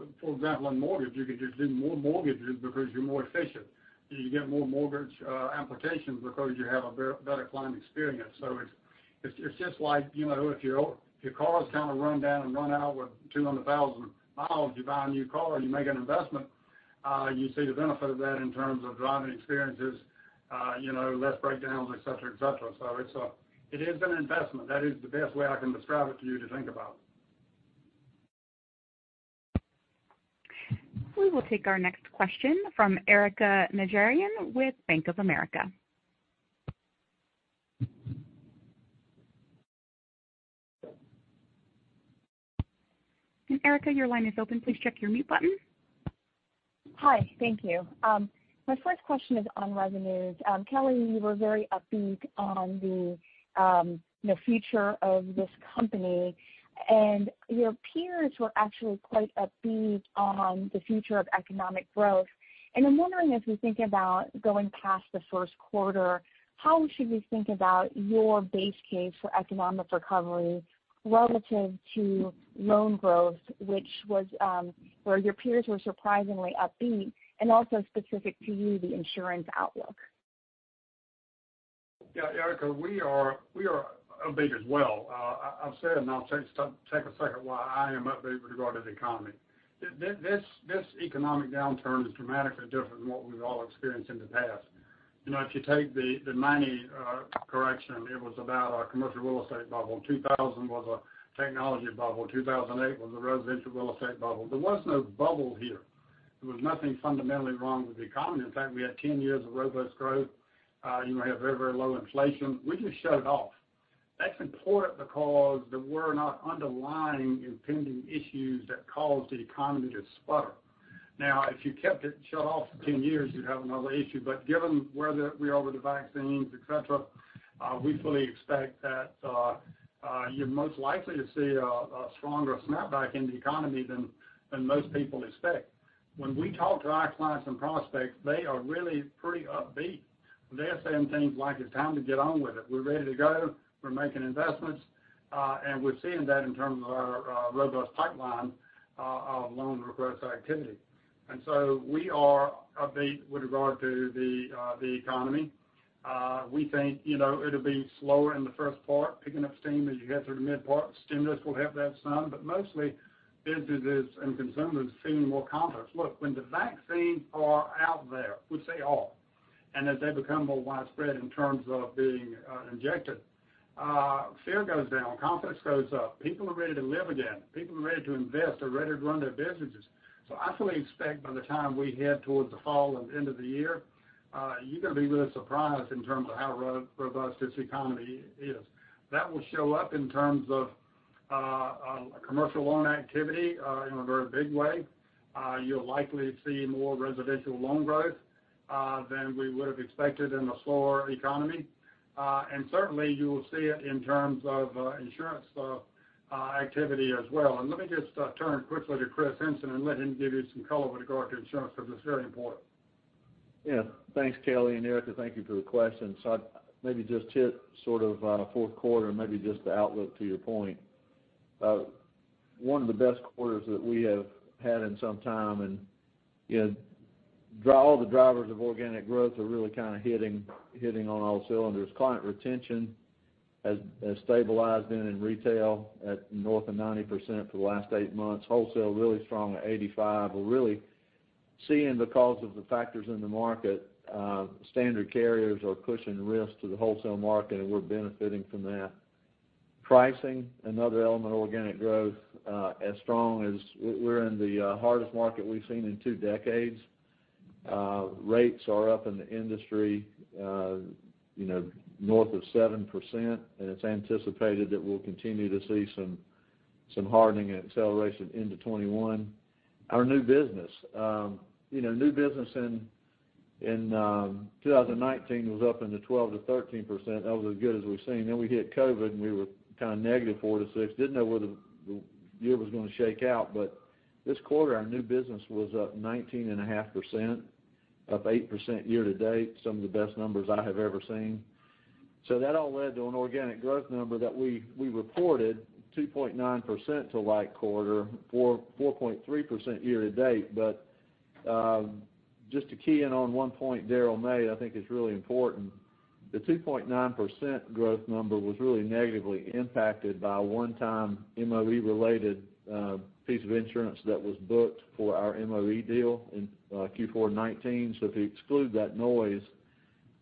can, for example, on mortgage, you can just do more mortgages because you're more efficient. You get more mortgage applications because you have a better client experience. It's just like, if your car is kind of run down and run out with 200,000 mi, you buy a new car, you make an investment, you see the benefit of that in terms of driving experiences, less breakdowns, et cetera. It is an investment. That is the best way I can describe it to you to think about. We will take our next question from Erika Najarian with Bank of America. Erika, your line is open. Please check your mute button. Hi, thank you. My first question is on revenues. Kelly, you were very upbeat on the future of this company. Your peers were actually quite upbeat on the future of economic growth. I'm wondering if we think about going past the first quarter, how should we think about your base case for economic recovery relative to loan growth, which was where your peers were surprisingly upbeat, also specific to you, the insurance outlook? Yeah, Erika, we are upbeat as well. I've said, I'll take a second why I am upbeat with regard to the economy. This economic downturn is dramatically different than what we've all experienced in the past. If you take the 1990 correction, it was about a commercial real estate bubble. 2000 was a technology bubble. 2008 was a residential real estate bubble. There was no bubble here. There was nothing fundamentally wrong with the economy. In fact, we had 10 years of robust growth. You have very low inflation. We just shut it off. That's important because there were not underlying impending issues that caused the economy to sputter. Now, if you kept it shut off for 10 years, you'd have another issue. Given where we are with the vaccines, et cetera, we fully expect that you're most likely to see a stronger snapback in the economy than most people expect. When we talk to our clients and prospects, they are really pretty upbeat. They're saying things like, "It's time to get on with it. We're ready to go. We're making investments." We're seeing that in terms of our robust pipeline of loan request activity. We are upbeat with regard to the economy. We think it'll be slower in the first part, picking up steam as you head through the mid-part. Stimulus will help that some, but mostly businesses and consumers seem more confident. Look, when the vaccines are out there, which they are, and as they become more widespread in terms of being injected, fear goes down, confidence goes up. People are ready to live again. People are ready to invest, are ready to run their businesses. I fully expect by the time we head towards the fall and end of the year, you're going to be really surprised in terms of how robust this economy is. That will show up in terms of commercial loan activity in a very big way. You'll likely see more residential loan growth than we would've expected in a slower economy. Certainly, you will see it in terms of insurance activity as well. Let me just turn quickly to Chris Henson and let him give you some color with regard to insurance because it's very important. Yeah. Thanks, Kelly, and Erika, thank you for the question. I'd maybe just hit sort of fourth quarter and maybe just the outlook to your point. One of the best quarters that we have had in some time, and all the drivers of organic growth are really kind of hitting on all cylinders. Client retention has stabilized in retail at north of 90% for the last eight months. Wholesale, really strong at 85%. We're really seeing because of the factors in the market, standard carriers are pushing risk to the wholesale market, and we're benefiting from that. Pricing, another element of organic growth, as strong as we're in the hardest market we've seen in two decades. Rates are up in the industry north of 7%, and it's anticipated that we'll continue to see some hardening and acceleration into 2021. Our new business. New business in 2019 was up into 12%-13%. That was as good as we've seen. We hit COVID, and we were kind of negative 4%-6%. Didn't know where the year was going to shake out. This quarter, our new business was up 19.5%, up 8% year-to-date, some of the best numbers I have ever seen. That all led to an organic growth number that we reported, 2.9% to like quarter, 4.3% year-to-date. Just to key in on one point Daryl made, I think is really important. The 2.9% growth number was really negatively impacted by a one-time MOE-related piece of insurance that was booked for our MOE deal in Q4 2019. If you exclude that noise,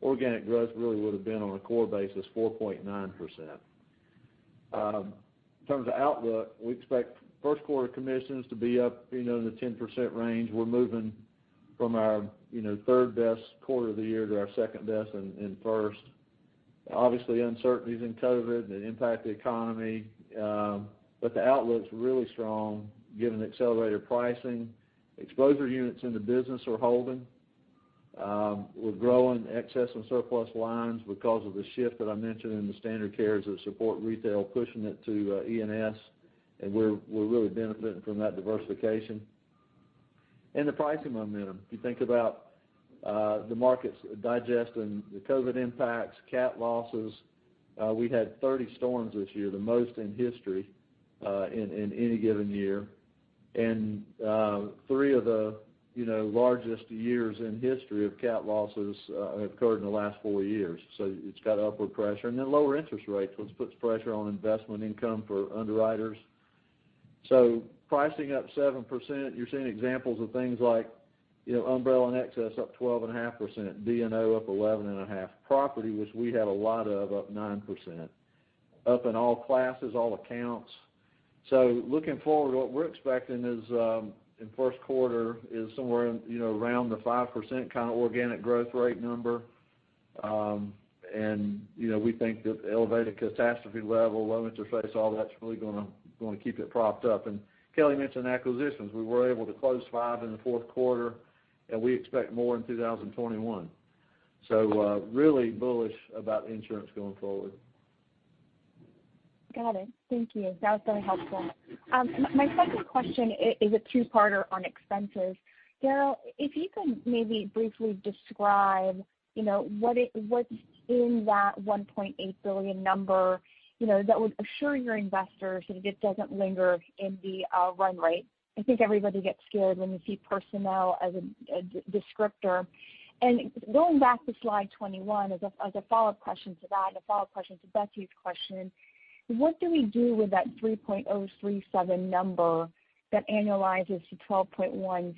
organic growth really would've been on a core basis, 4.9%. In terms of outlook, we expect first quarter commissions to be up in the 10% range. We're moving from our third-best quarter of the year to our second-best and first. Uncertainties in COVID that impact the economy, but the outlook's really strong given the accelerated pricing. Exposure units in the business are holding. We're growing excess and surplus lines because of the shift that I mentioned in the standard carriers that support retail, pushing it to E&S, and we're really benefiting from that diversification. The pricing momentum. If you think about the markets digesting the COVID impacts, cat losses. We had 30 storms this year, the most in history in any given year. Three of the largest years in the history of cat losses have occurred in the last four years. It's got upward pressure. Lower interest rates, which puts pressure on investment income for underwriters. Pricing up 7%, you're seeing examples of things like umbrella and excess up 12.5%, D&O up 11.5%, property, which we have a lot of, up 9%, up in all classes, all accounts. Looking forward, what we're expecting in the first quarter is somewhere around the 5% kind of organic growth rate number. We think that the elevated catastrophe level, low interest rates, all that's really going to keep it propped up. Kelly mentioned acquisitions. We were able to close five in the fourth quarter, and we expect more in 2021. Really bullish about insurance going forward. Got it. Thank you. That was very helpful. My second question is a two-parter on expenses. Daryl, if you can maybe briefly describe what's in that $1.8 billion number that would assure your investors that it doesn't linger in the run rate. I think everybody gets scared when they see personnel as a descriptor. Going back to slide 21, as a follow-up question to that and a follow-up question to Betsy's question, what do we do with that $3.037 billion number that annualizes to $12.16 billion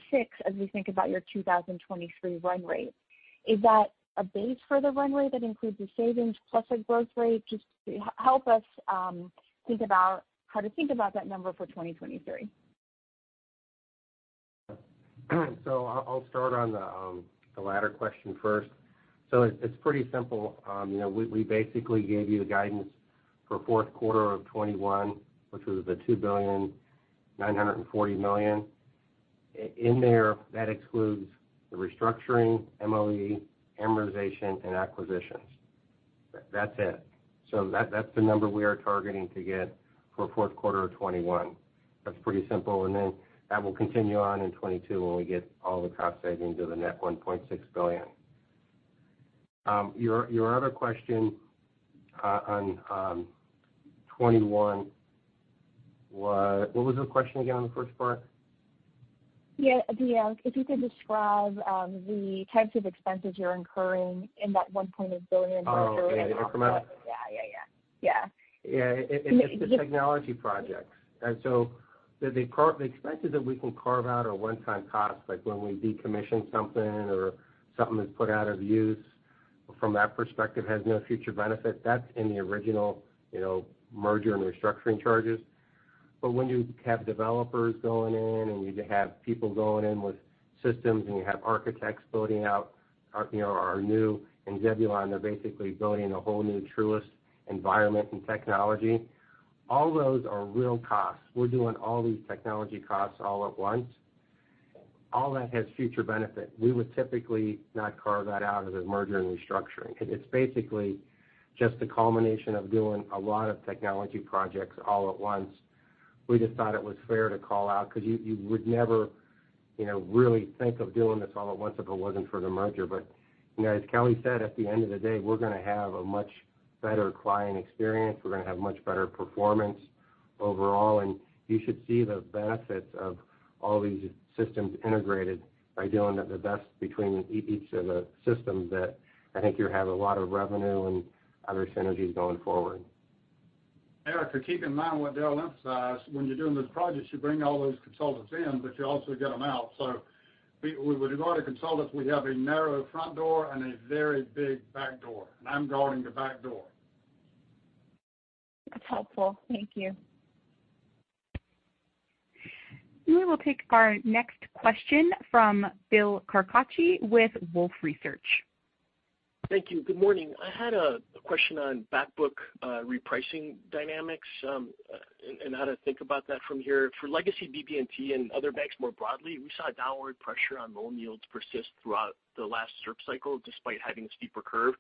as we think about your 2023 run rate? Is that a base for the run rate that includes the savings plus a growth rate? Just help us think about how to think about that number for 2023. I'll start on the latter question first. It's pretty simple. We basically gave you the guidance for fourth quarter of 2021, which was the $2,940,000,000. In there, that excludes the restructuring, MOE, amortization, and acquisitions. That's it. That's the number we are targeting to get for fourth quarter of 2021. That's pretty simple, and then that will continue on in 2022 when we get all the cost savings of the net $1.6 billion. Your other question on 2021, what was the question again on the first part? Yeah, Daryl, if you could describe the types of expenses you're incurring in that $1.8 billion merger? Oh, in the merger? Yeah. Yeah. It's the technology projects. The expenses that we can carve out are one-time costs, like when we decommission something or something is put out of use. From that perspective, has no future benefit. That's in the original merger and restructuring charges. When you have developers going in and when you have people going in with systems and you have architects building out our new, in Zebulon, they're basically building a whole new Truist environment and technology. All those are real costs. We're doing all these technology costs all at once. All that has future benefit. We would typically not carve that out as a merger and restructuring. It's basically just a culmination of doing a lot of technology projects all at once. We just thought it was fair to call out because you would never really think of doing this all at once if it wasn't for the merger. As Kelly said, at the end of the day, we're going to have a much better client experience. We're going to have much better performance overall, and you should see the benefits of all these systems integrated by doing it the best between each of the systems that I think you'll have a lot of revenue and other synergies going forward. Erika, keep in mind what Daryl emphasized. When you're doing those projects, you bring all those consultants in, but you also get them out. With regard to consultants, we have a narrow front door and a very big back door, and I'm guarding the back door. That's helpful. Thank you. We will take our next question from Bill Carcache with Wolfe Research. Thank you. Good morning. I had a question on back book repricing dynamics and how to think about that from here. For Legacy BB&T and other banks more broadly, we saw a downward pressure on loan yields persist throughout the last ZIRP cycle despite having a steeper curve.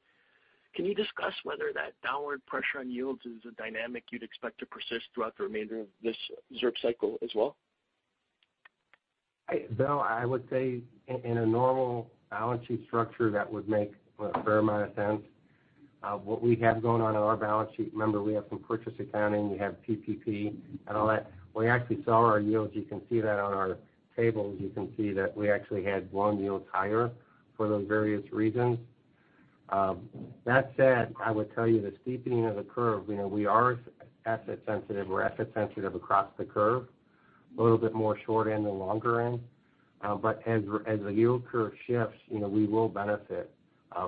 Can you discuss whether that downward pressure on yields is a dynamic you'd expect to persist throughout the remainder of this ZIRP cycle as well? Bill, I would say in a normal balance sheet structure, that would make a fair amount of sense. What we have going on in our balance sheet, remember, we have some purchase accounting, we have PPP and all that. We actually saw our yields. You can see that on our tables. You can see that we actually had loan yields higher for those various reasons. I would tell you the steepening of the curve, we are asset sensitive. We're asset sensitive across the curve, a little bit more short end than longer end. As the yield curve shifts, we will benefit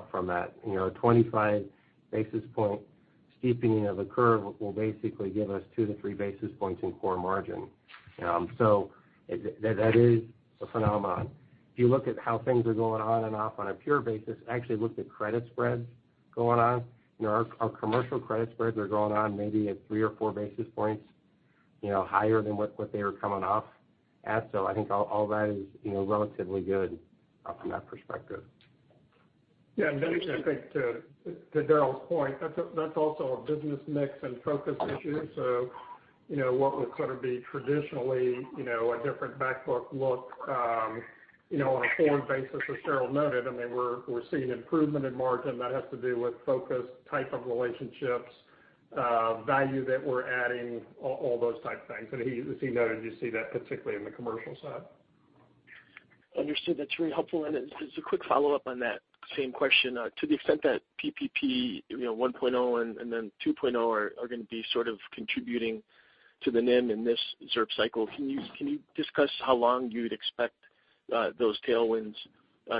from that. A 25 basis point steepening of the curve will basically give us 2-3 basis points in core margin. That is a phenomenon. If you look at how things are going on and off on a pure basis, actually look at credit spreads going on. Our commercial credit spreads are going on maybe at 3 or 4 basis points higher than what they were coming off at. I think all that is relatively good from that perspective. Yeah. I think to Daryl's point, that's also a business mix and focus issue. What would sort of be traditionally a different back book look on a forward basis, as Daryl noted, and they were seeing improvement in margin. That has to do with focus, type of relationships, value that we're adding, all those type of things. As he noted, you see that particularly in the commercial side. Understood. That's very helpful. Just a quick follow-up on that same question. To the extent that PPP 1.0 and then 2.0 are going to be sort of contributing to the NIM in this ZIRP cycle, can you discuss how long you'd expect those tailwinds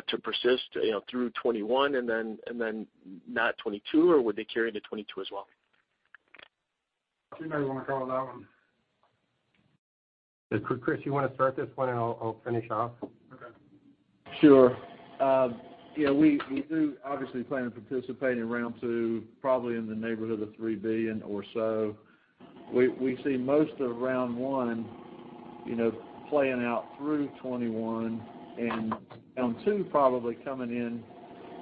to persist through 2021 and then not 2022? Would they carry into 2022 as well? Chris, you may want to cover that one. Chris, you want to start this one and I'll finish off? Okay. Sure. We do obviously plan to participate in round two, probably in the neighborhood of $3 billion or so. We see most of round one playing out through 2021, and round two probably coming in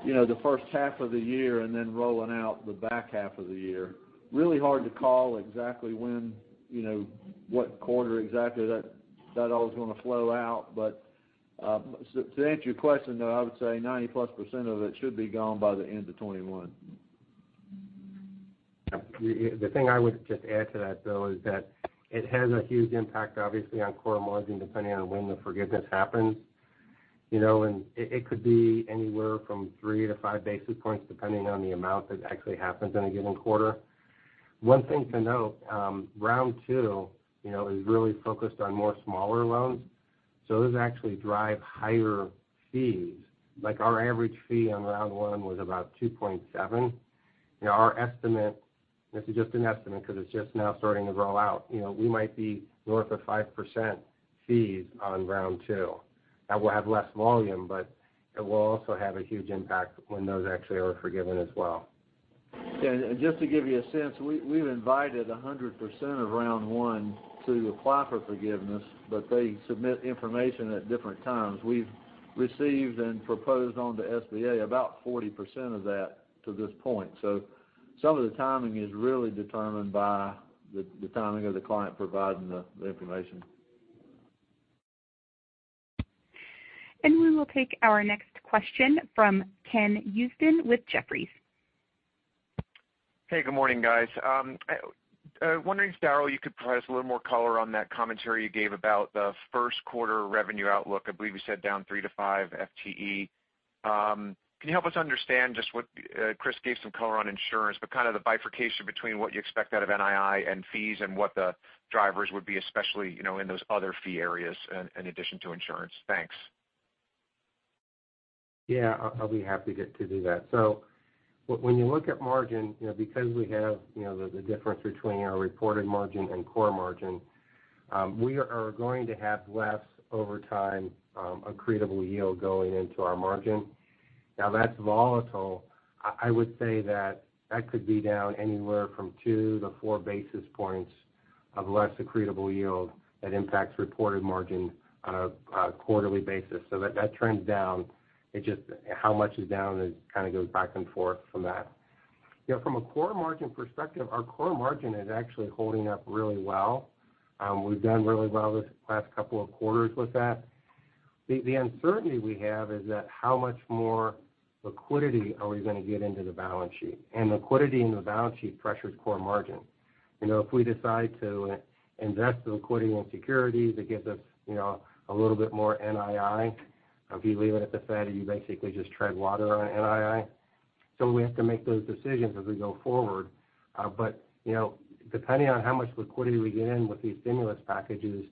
the first half of the year and then rolling out the back half of the year. Really hard to call exactly what quarter exactly that all is going to flow out. To answer your question, though, I would say 90%+ of it should be gone by the end of 2021. The thing I would just add to that, Bill, is that it has a huge impact, obviously, on core margin, depending on when the forgiveness happens. It could be anywhere from 3-5 basis points, depending on the amount that actually happens in a given quarter. One thing to note, round two is really focused on more smaller loans. Those actually drive higher fees. Like our average fee on round one was about 2.7%. Our estimate, this is just an estimate because it's just now starting to roll out, we might be north of 5% fees on round two. That will have less volume, but it will also have a huge impact when those actually are forgiven as well. Just to give you a sense, we've invited 100% of round one to apply for forgiveness, but they submit information at different times. We've received and proposed on to SBA about 40% of that to this point. Some of the timing is really determined by the timing of the client providing the information. We will take our next question from Ken Usdin with Jefferies. Hey, good morning, guys. I'm wondering, Daryl, you could provide us a little more color on that commentary you gave about the first quarter revenue outlook. I believe you said down three to five FTE. Can you help us understand just what Chris gave some color on insurance, but kind of the bifurcation between what you expect out of NII and fees and what the drivers would be, especially in those other fee areas in addition to insurance. Thanks. Yeah, I'll be happy to do that. When you look at margin, because we have the difference between our reported margin and core margin, we are going to have less, over time, accretable yield going into our margin. Now that's volatile. I would say that that could be down anywhere from 2-4 basis points of less accretable yield that impacts reported margin on a quarterly basis. That trends down. It's just how much is down, it kind of goes back and forth from that. From a core margin perspective, our core margin is actually holding up really well. We've done really well this past couple of quarters with that. The uncertainty we have is that how much more liquidity are we going to get into the balance sheet? Liquidity in the balance sheet pressures core margin. If we decide to invest the liquidity in securities, it gives us a little bit more NII. If you leave it at the Fed, you basically just tread water on NII. We have to make those decisions as we go forward. Depending on how much liquidity we get in with these stimulus packages,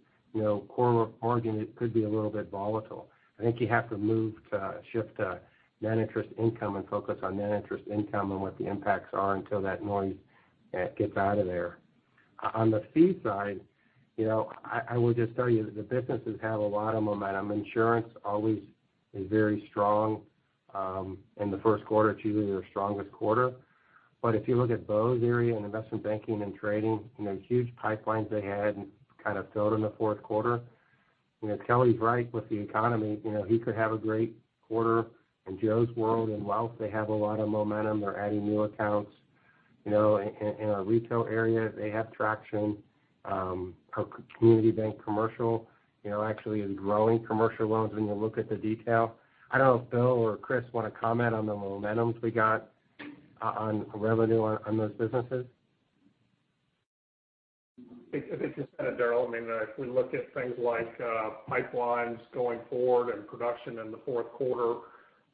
core margin could be a little bit volatile. I think you have to move to shift to non-interest income and focus on non-interest income and what the impacts are until that noise gets out of there. On the fee side, I will just tell you the businesses have a lot of momentum. Insurance always is very strong in the first quarter. It's usually their strongest quarter. If you look at Beau's area in investment banking and trading, huge pipelines they had and kind of filled in the fourth quarter. Kelly's right with the economy. He could have a great quarter. In Joe's world, in wealth, they have a lot of momentum. They're adding new accounts. In our retail area, they have traction. Our community bank commercial actually is growing commercial loans when you look at the detail. I don't know if Bill or Chris want to comment on the momentums we got on revenue on those businesses. I think you said it, Daryl. I mean, if we look at things like pipelines going forward and production in the fourth quarter,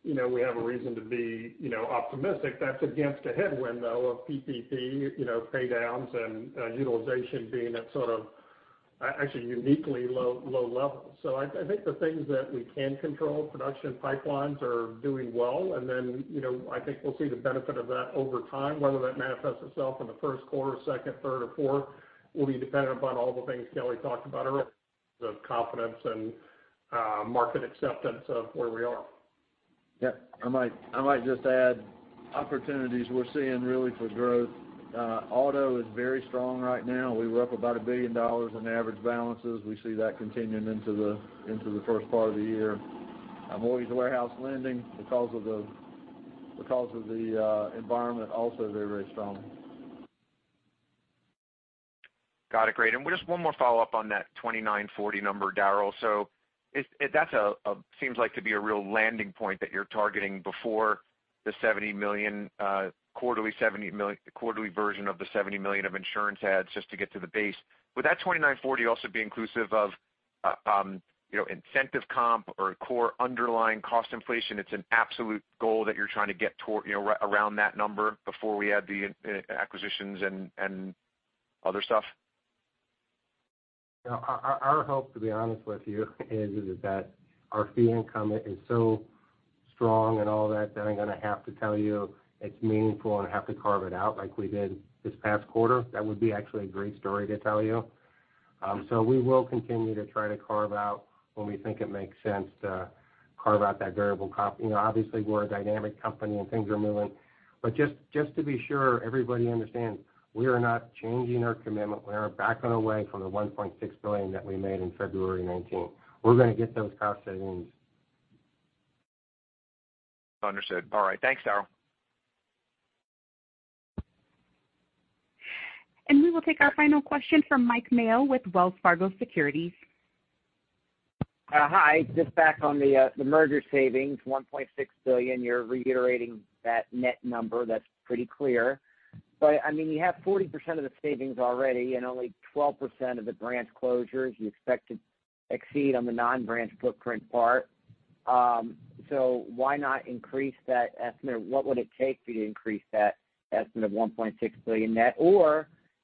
we have a reason to be optimistic. That's against a headwind, though, of PPP paydowns and utilization being at sort of actually uniquely low levels. I think the things that we can control, production pipelines are doing well, and then I think we'll see the benefit of that over time. Whether that manifests itself in the first quarter, second, third, or fourth, will be dependent upon all the things Kelly talked about earlier, the confidence and market acceptance of where we are. Yeah. I might just add opportunities we're seeing really for growth. Auto is very strong right now. We were up about $1 billion in average balances. We see that continuing into the first part of the year. Mortgage warehouse lending, because of the environment, also very strong. Got it. Great. Just one more follow-up on that $2,940,000,000 number, Daryl. That seems like to be a real landing point that you're targeting before the quarterly version of the $70 million of insurance ads just to get to the base. Would that $2,940,000,000 also be inclusive of incentive comp or core underlying cost inflation? It's an absolute goal that you're trying to get around that number before we add the acquisitions and other stuff? Our hope, to be honest with you is that our fee income is so strong and all that I'm going to have to tell you it's meaningful and have to carve it out like we did this past quarter. That would be actually a great story to tell you. We will continue to try to carve out when we think it makes sense to carve out that variable comp. Obviously, we're a dynamic company and things are moving. Just to be sure everybody understands, we are not changing our commitment. We are back on our way from the $1.6 billion that we made in February 2019. We're going to get those cost savings. Understood. All right. Thanks, Daryl. We will take our final question from Mike Mayo with Wells Fargo Securities. Hi. Just back on the merger savings, $1.6 billion. You're reiterating that net number. That's pretty clear. You have 40% of the savings already and only 12% of the branch closures you expect to exceed on the non-branch footprint part. Why not increase that estimate, or what would it take for you to increase that estimate of $1.6 billion net?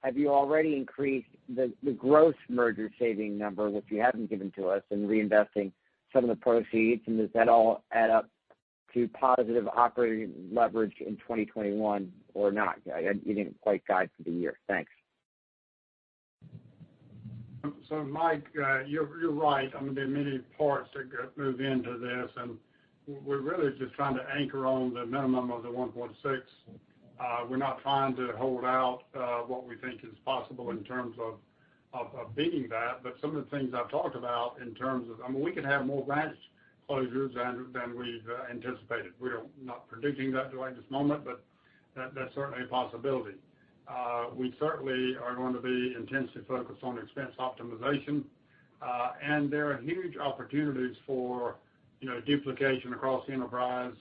Have you already increased the gross merger saving number, which you haven't given to us, and reinvesting some of the proceeds? Does that all add up to positive operating leverage in 2021 or not? You didn't quite guide for the year. Thanks. Mike, you're right. There are many parts that move into this, and we're really just trying to anchor on the minimum of the $1.6 billion. We're not trying to hold out what we think is possible in terms of beating that. Some of the things I've talked about, we could have more branch closures than we've anticipated. We're not predicting that right this moment, but that's certainly a possibility. We certainly are going to be intensely focused on expense optimization. There are huge opportunities for duplication across the enterprise,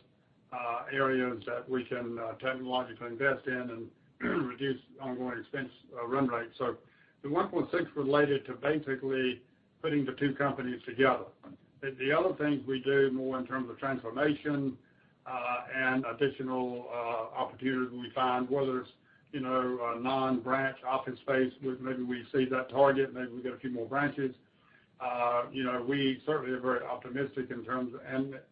areas that we can technologically invest in and reduce ongoing expense run rates. The $1.6 billion related to basically putting the two companies together. The other things we do more in terms of transformation, and additional opportunities we find, whether it's a non-branch office space, maybe we exceed that target, maybe we get a few more branches. We certainly are very optimistic and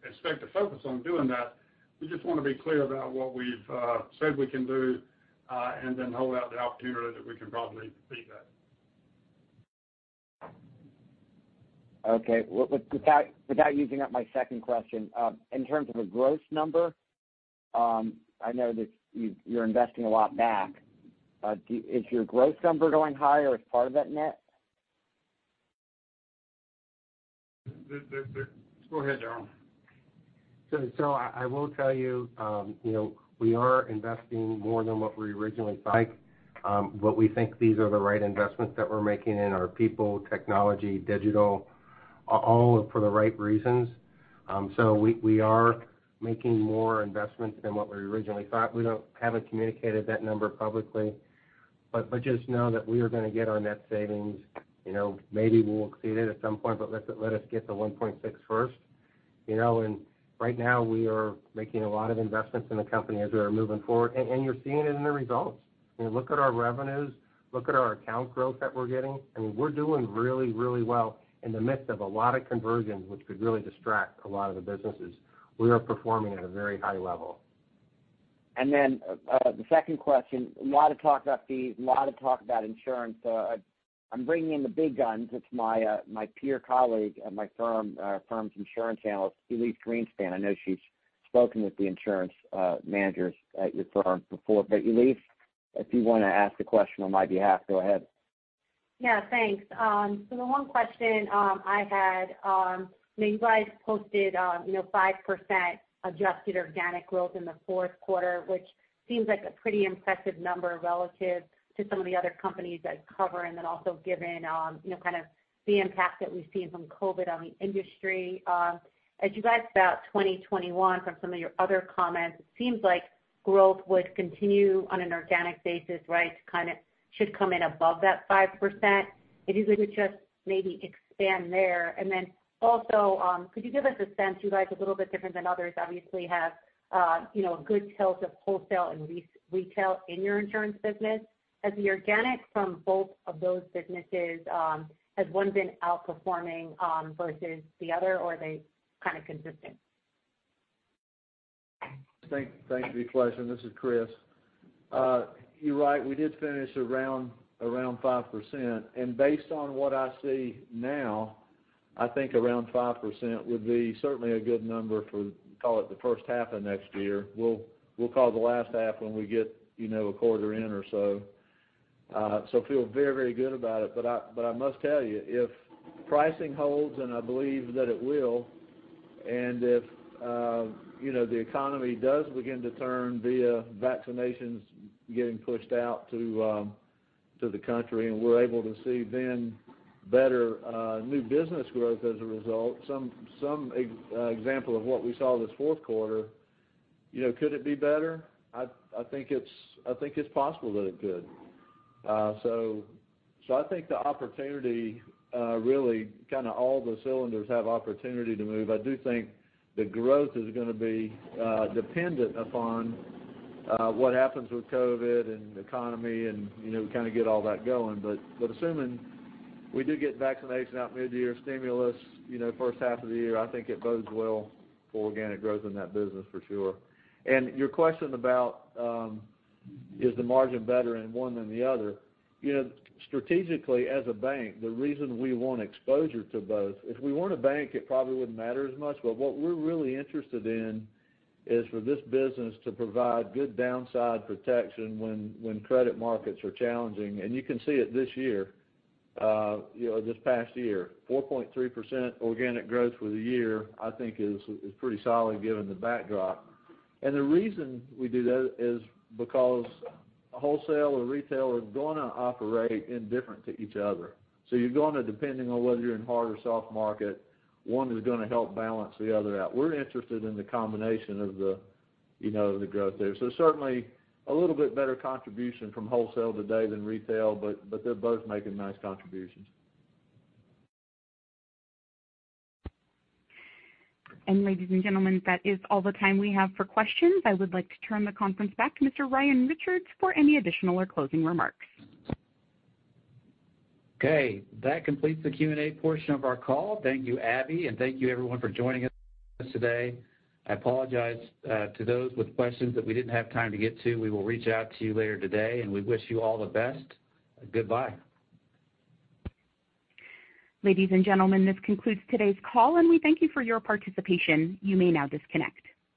expect to focus on doing that. We just want to be clear about what we've said we can do, and then hold out the opportunity that we can probably beat that. Okay. Without using up my second question, in terms of a gross number, I know that you're investing a lot back. Is your gross number going higher as part of that net? Go ahead, Daryl. I will tell you we are investing more than what we originally thought. We think these are the right investments that we're making in our people, technology, digital, all for the right reasons. We are making more investments than what we originally thought. We haven't communicated that number publicly. Just know that we are going to get our net savings. Maybe we'll exceed it at some point, but let us get to $1.6 billion first. Right now we are making a lot of investments in the company as we are moving forward, and you're seeing it in the results. Look at our revenues, look at our account growth that we're getting. We're doing really well in the midst of a lot of conversions, which could really distract a lot of the businesses. We are performing at a very high level. The second question, a lot of talk about fees, a lot of talk about insurance. I am bringing in the big guns. It is my peer colleague at my firm's insurance analyst, Elyse Greenspan. I know she has spoken with the insurance managers at your firm before. But Elyse, if you want to ask the question on my behalf, go ahead. Yeah, thanks. The one question I had, you guys posted 5% adjusted organic growth in the fourth quarter, which seems like a pretty impressive number relative to some of the other companies I cover, and then also given the impact that we've seen from COVID on the industry. As you guys about 2021, from some of your other comments, it seems like growth would continue on an organic basis to kind of should come in above that 5%. If you could just maybe expand there. Could you give us a sense, you guys are a little bit different than others, obviously have a good tilt of wholesale and retail in your insurance business. As the organic from both of those businesses, has one been outperforming versus the other, or are they kind of consistent? Thanks for your question. This is Chris. You're right, we did finish around 5%. Based on what I see now, I think around 5% would be certainly a good number for, call it the first half of next year. We'll call the last half when we get a quarter in or so. Feel very good about it. I must tell you, if pricing holds, I believe that it will, if the economy does begin to turn via vaccinations getting pushed out to the country, we're able to see then better new business growth as a result, some example of what we saw this fourth quarter. Could it be better? I think it's possible that it could. I think the opportunity really, kind of all the cylinders have opportunity to move. I do think the growth is going to be dependent upon what happens with COVID and the economy and we kind of get all that going. Assuming we do get vaccinations out mid-year, stimulus first half of the year, I think it bodes well for organic growth in that business for sure. Your question about is the margin better in one than the other. Strategically, as a bank, the reason we want exposure to both, if we weren't a bank, it probably wouldn't matter as much. What we're really interested in is for this business to provide good downside protection when credit markets are challenging. You can see it this past year, 4.3% organic growth for the year, I think is pretty solid given the backdrop. The reason we do that is because wholesale and retail are going to operate indifferent to each other. You're going to, depending on whether you're in hard or soft market, one is going to help balance the other out. We're interested in the combination of the growth there. Certainly a little bit better contribution from wholesale today than retail, but they're both making nice contributions. Ladies and gentlemen, that is all the time we have for questions. I would like to turn the conference back to Mr. Ryan Richards for any additional or closing remarks. Okay, that completes the Q&A portion of our call. Thank you, Abby, and thank you, everyone, for joining us today. I apologize to those with questions that we didn't have time to get to. We will reach out to you later today, and we wish you all the best. Goodbye. Ladies and gentlemen, this concludes today's call, and we thank you for your participation. You may now disconnect.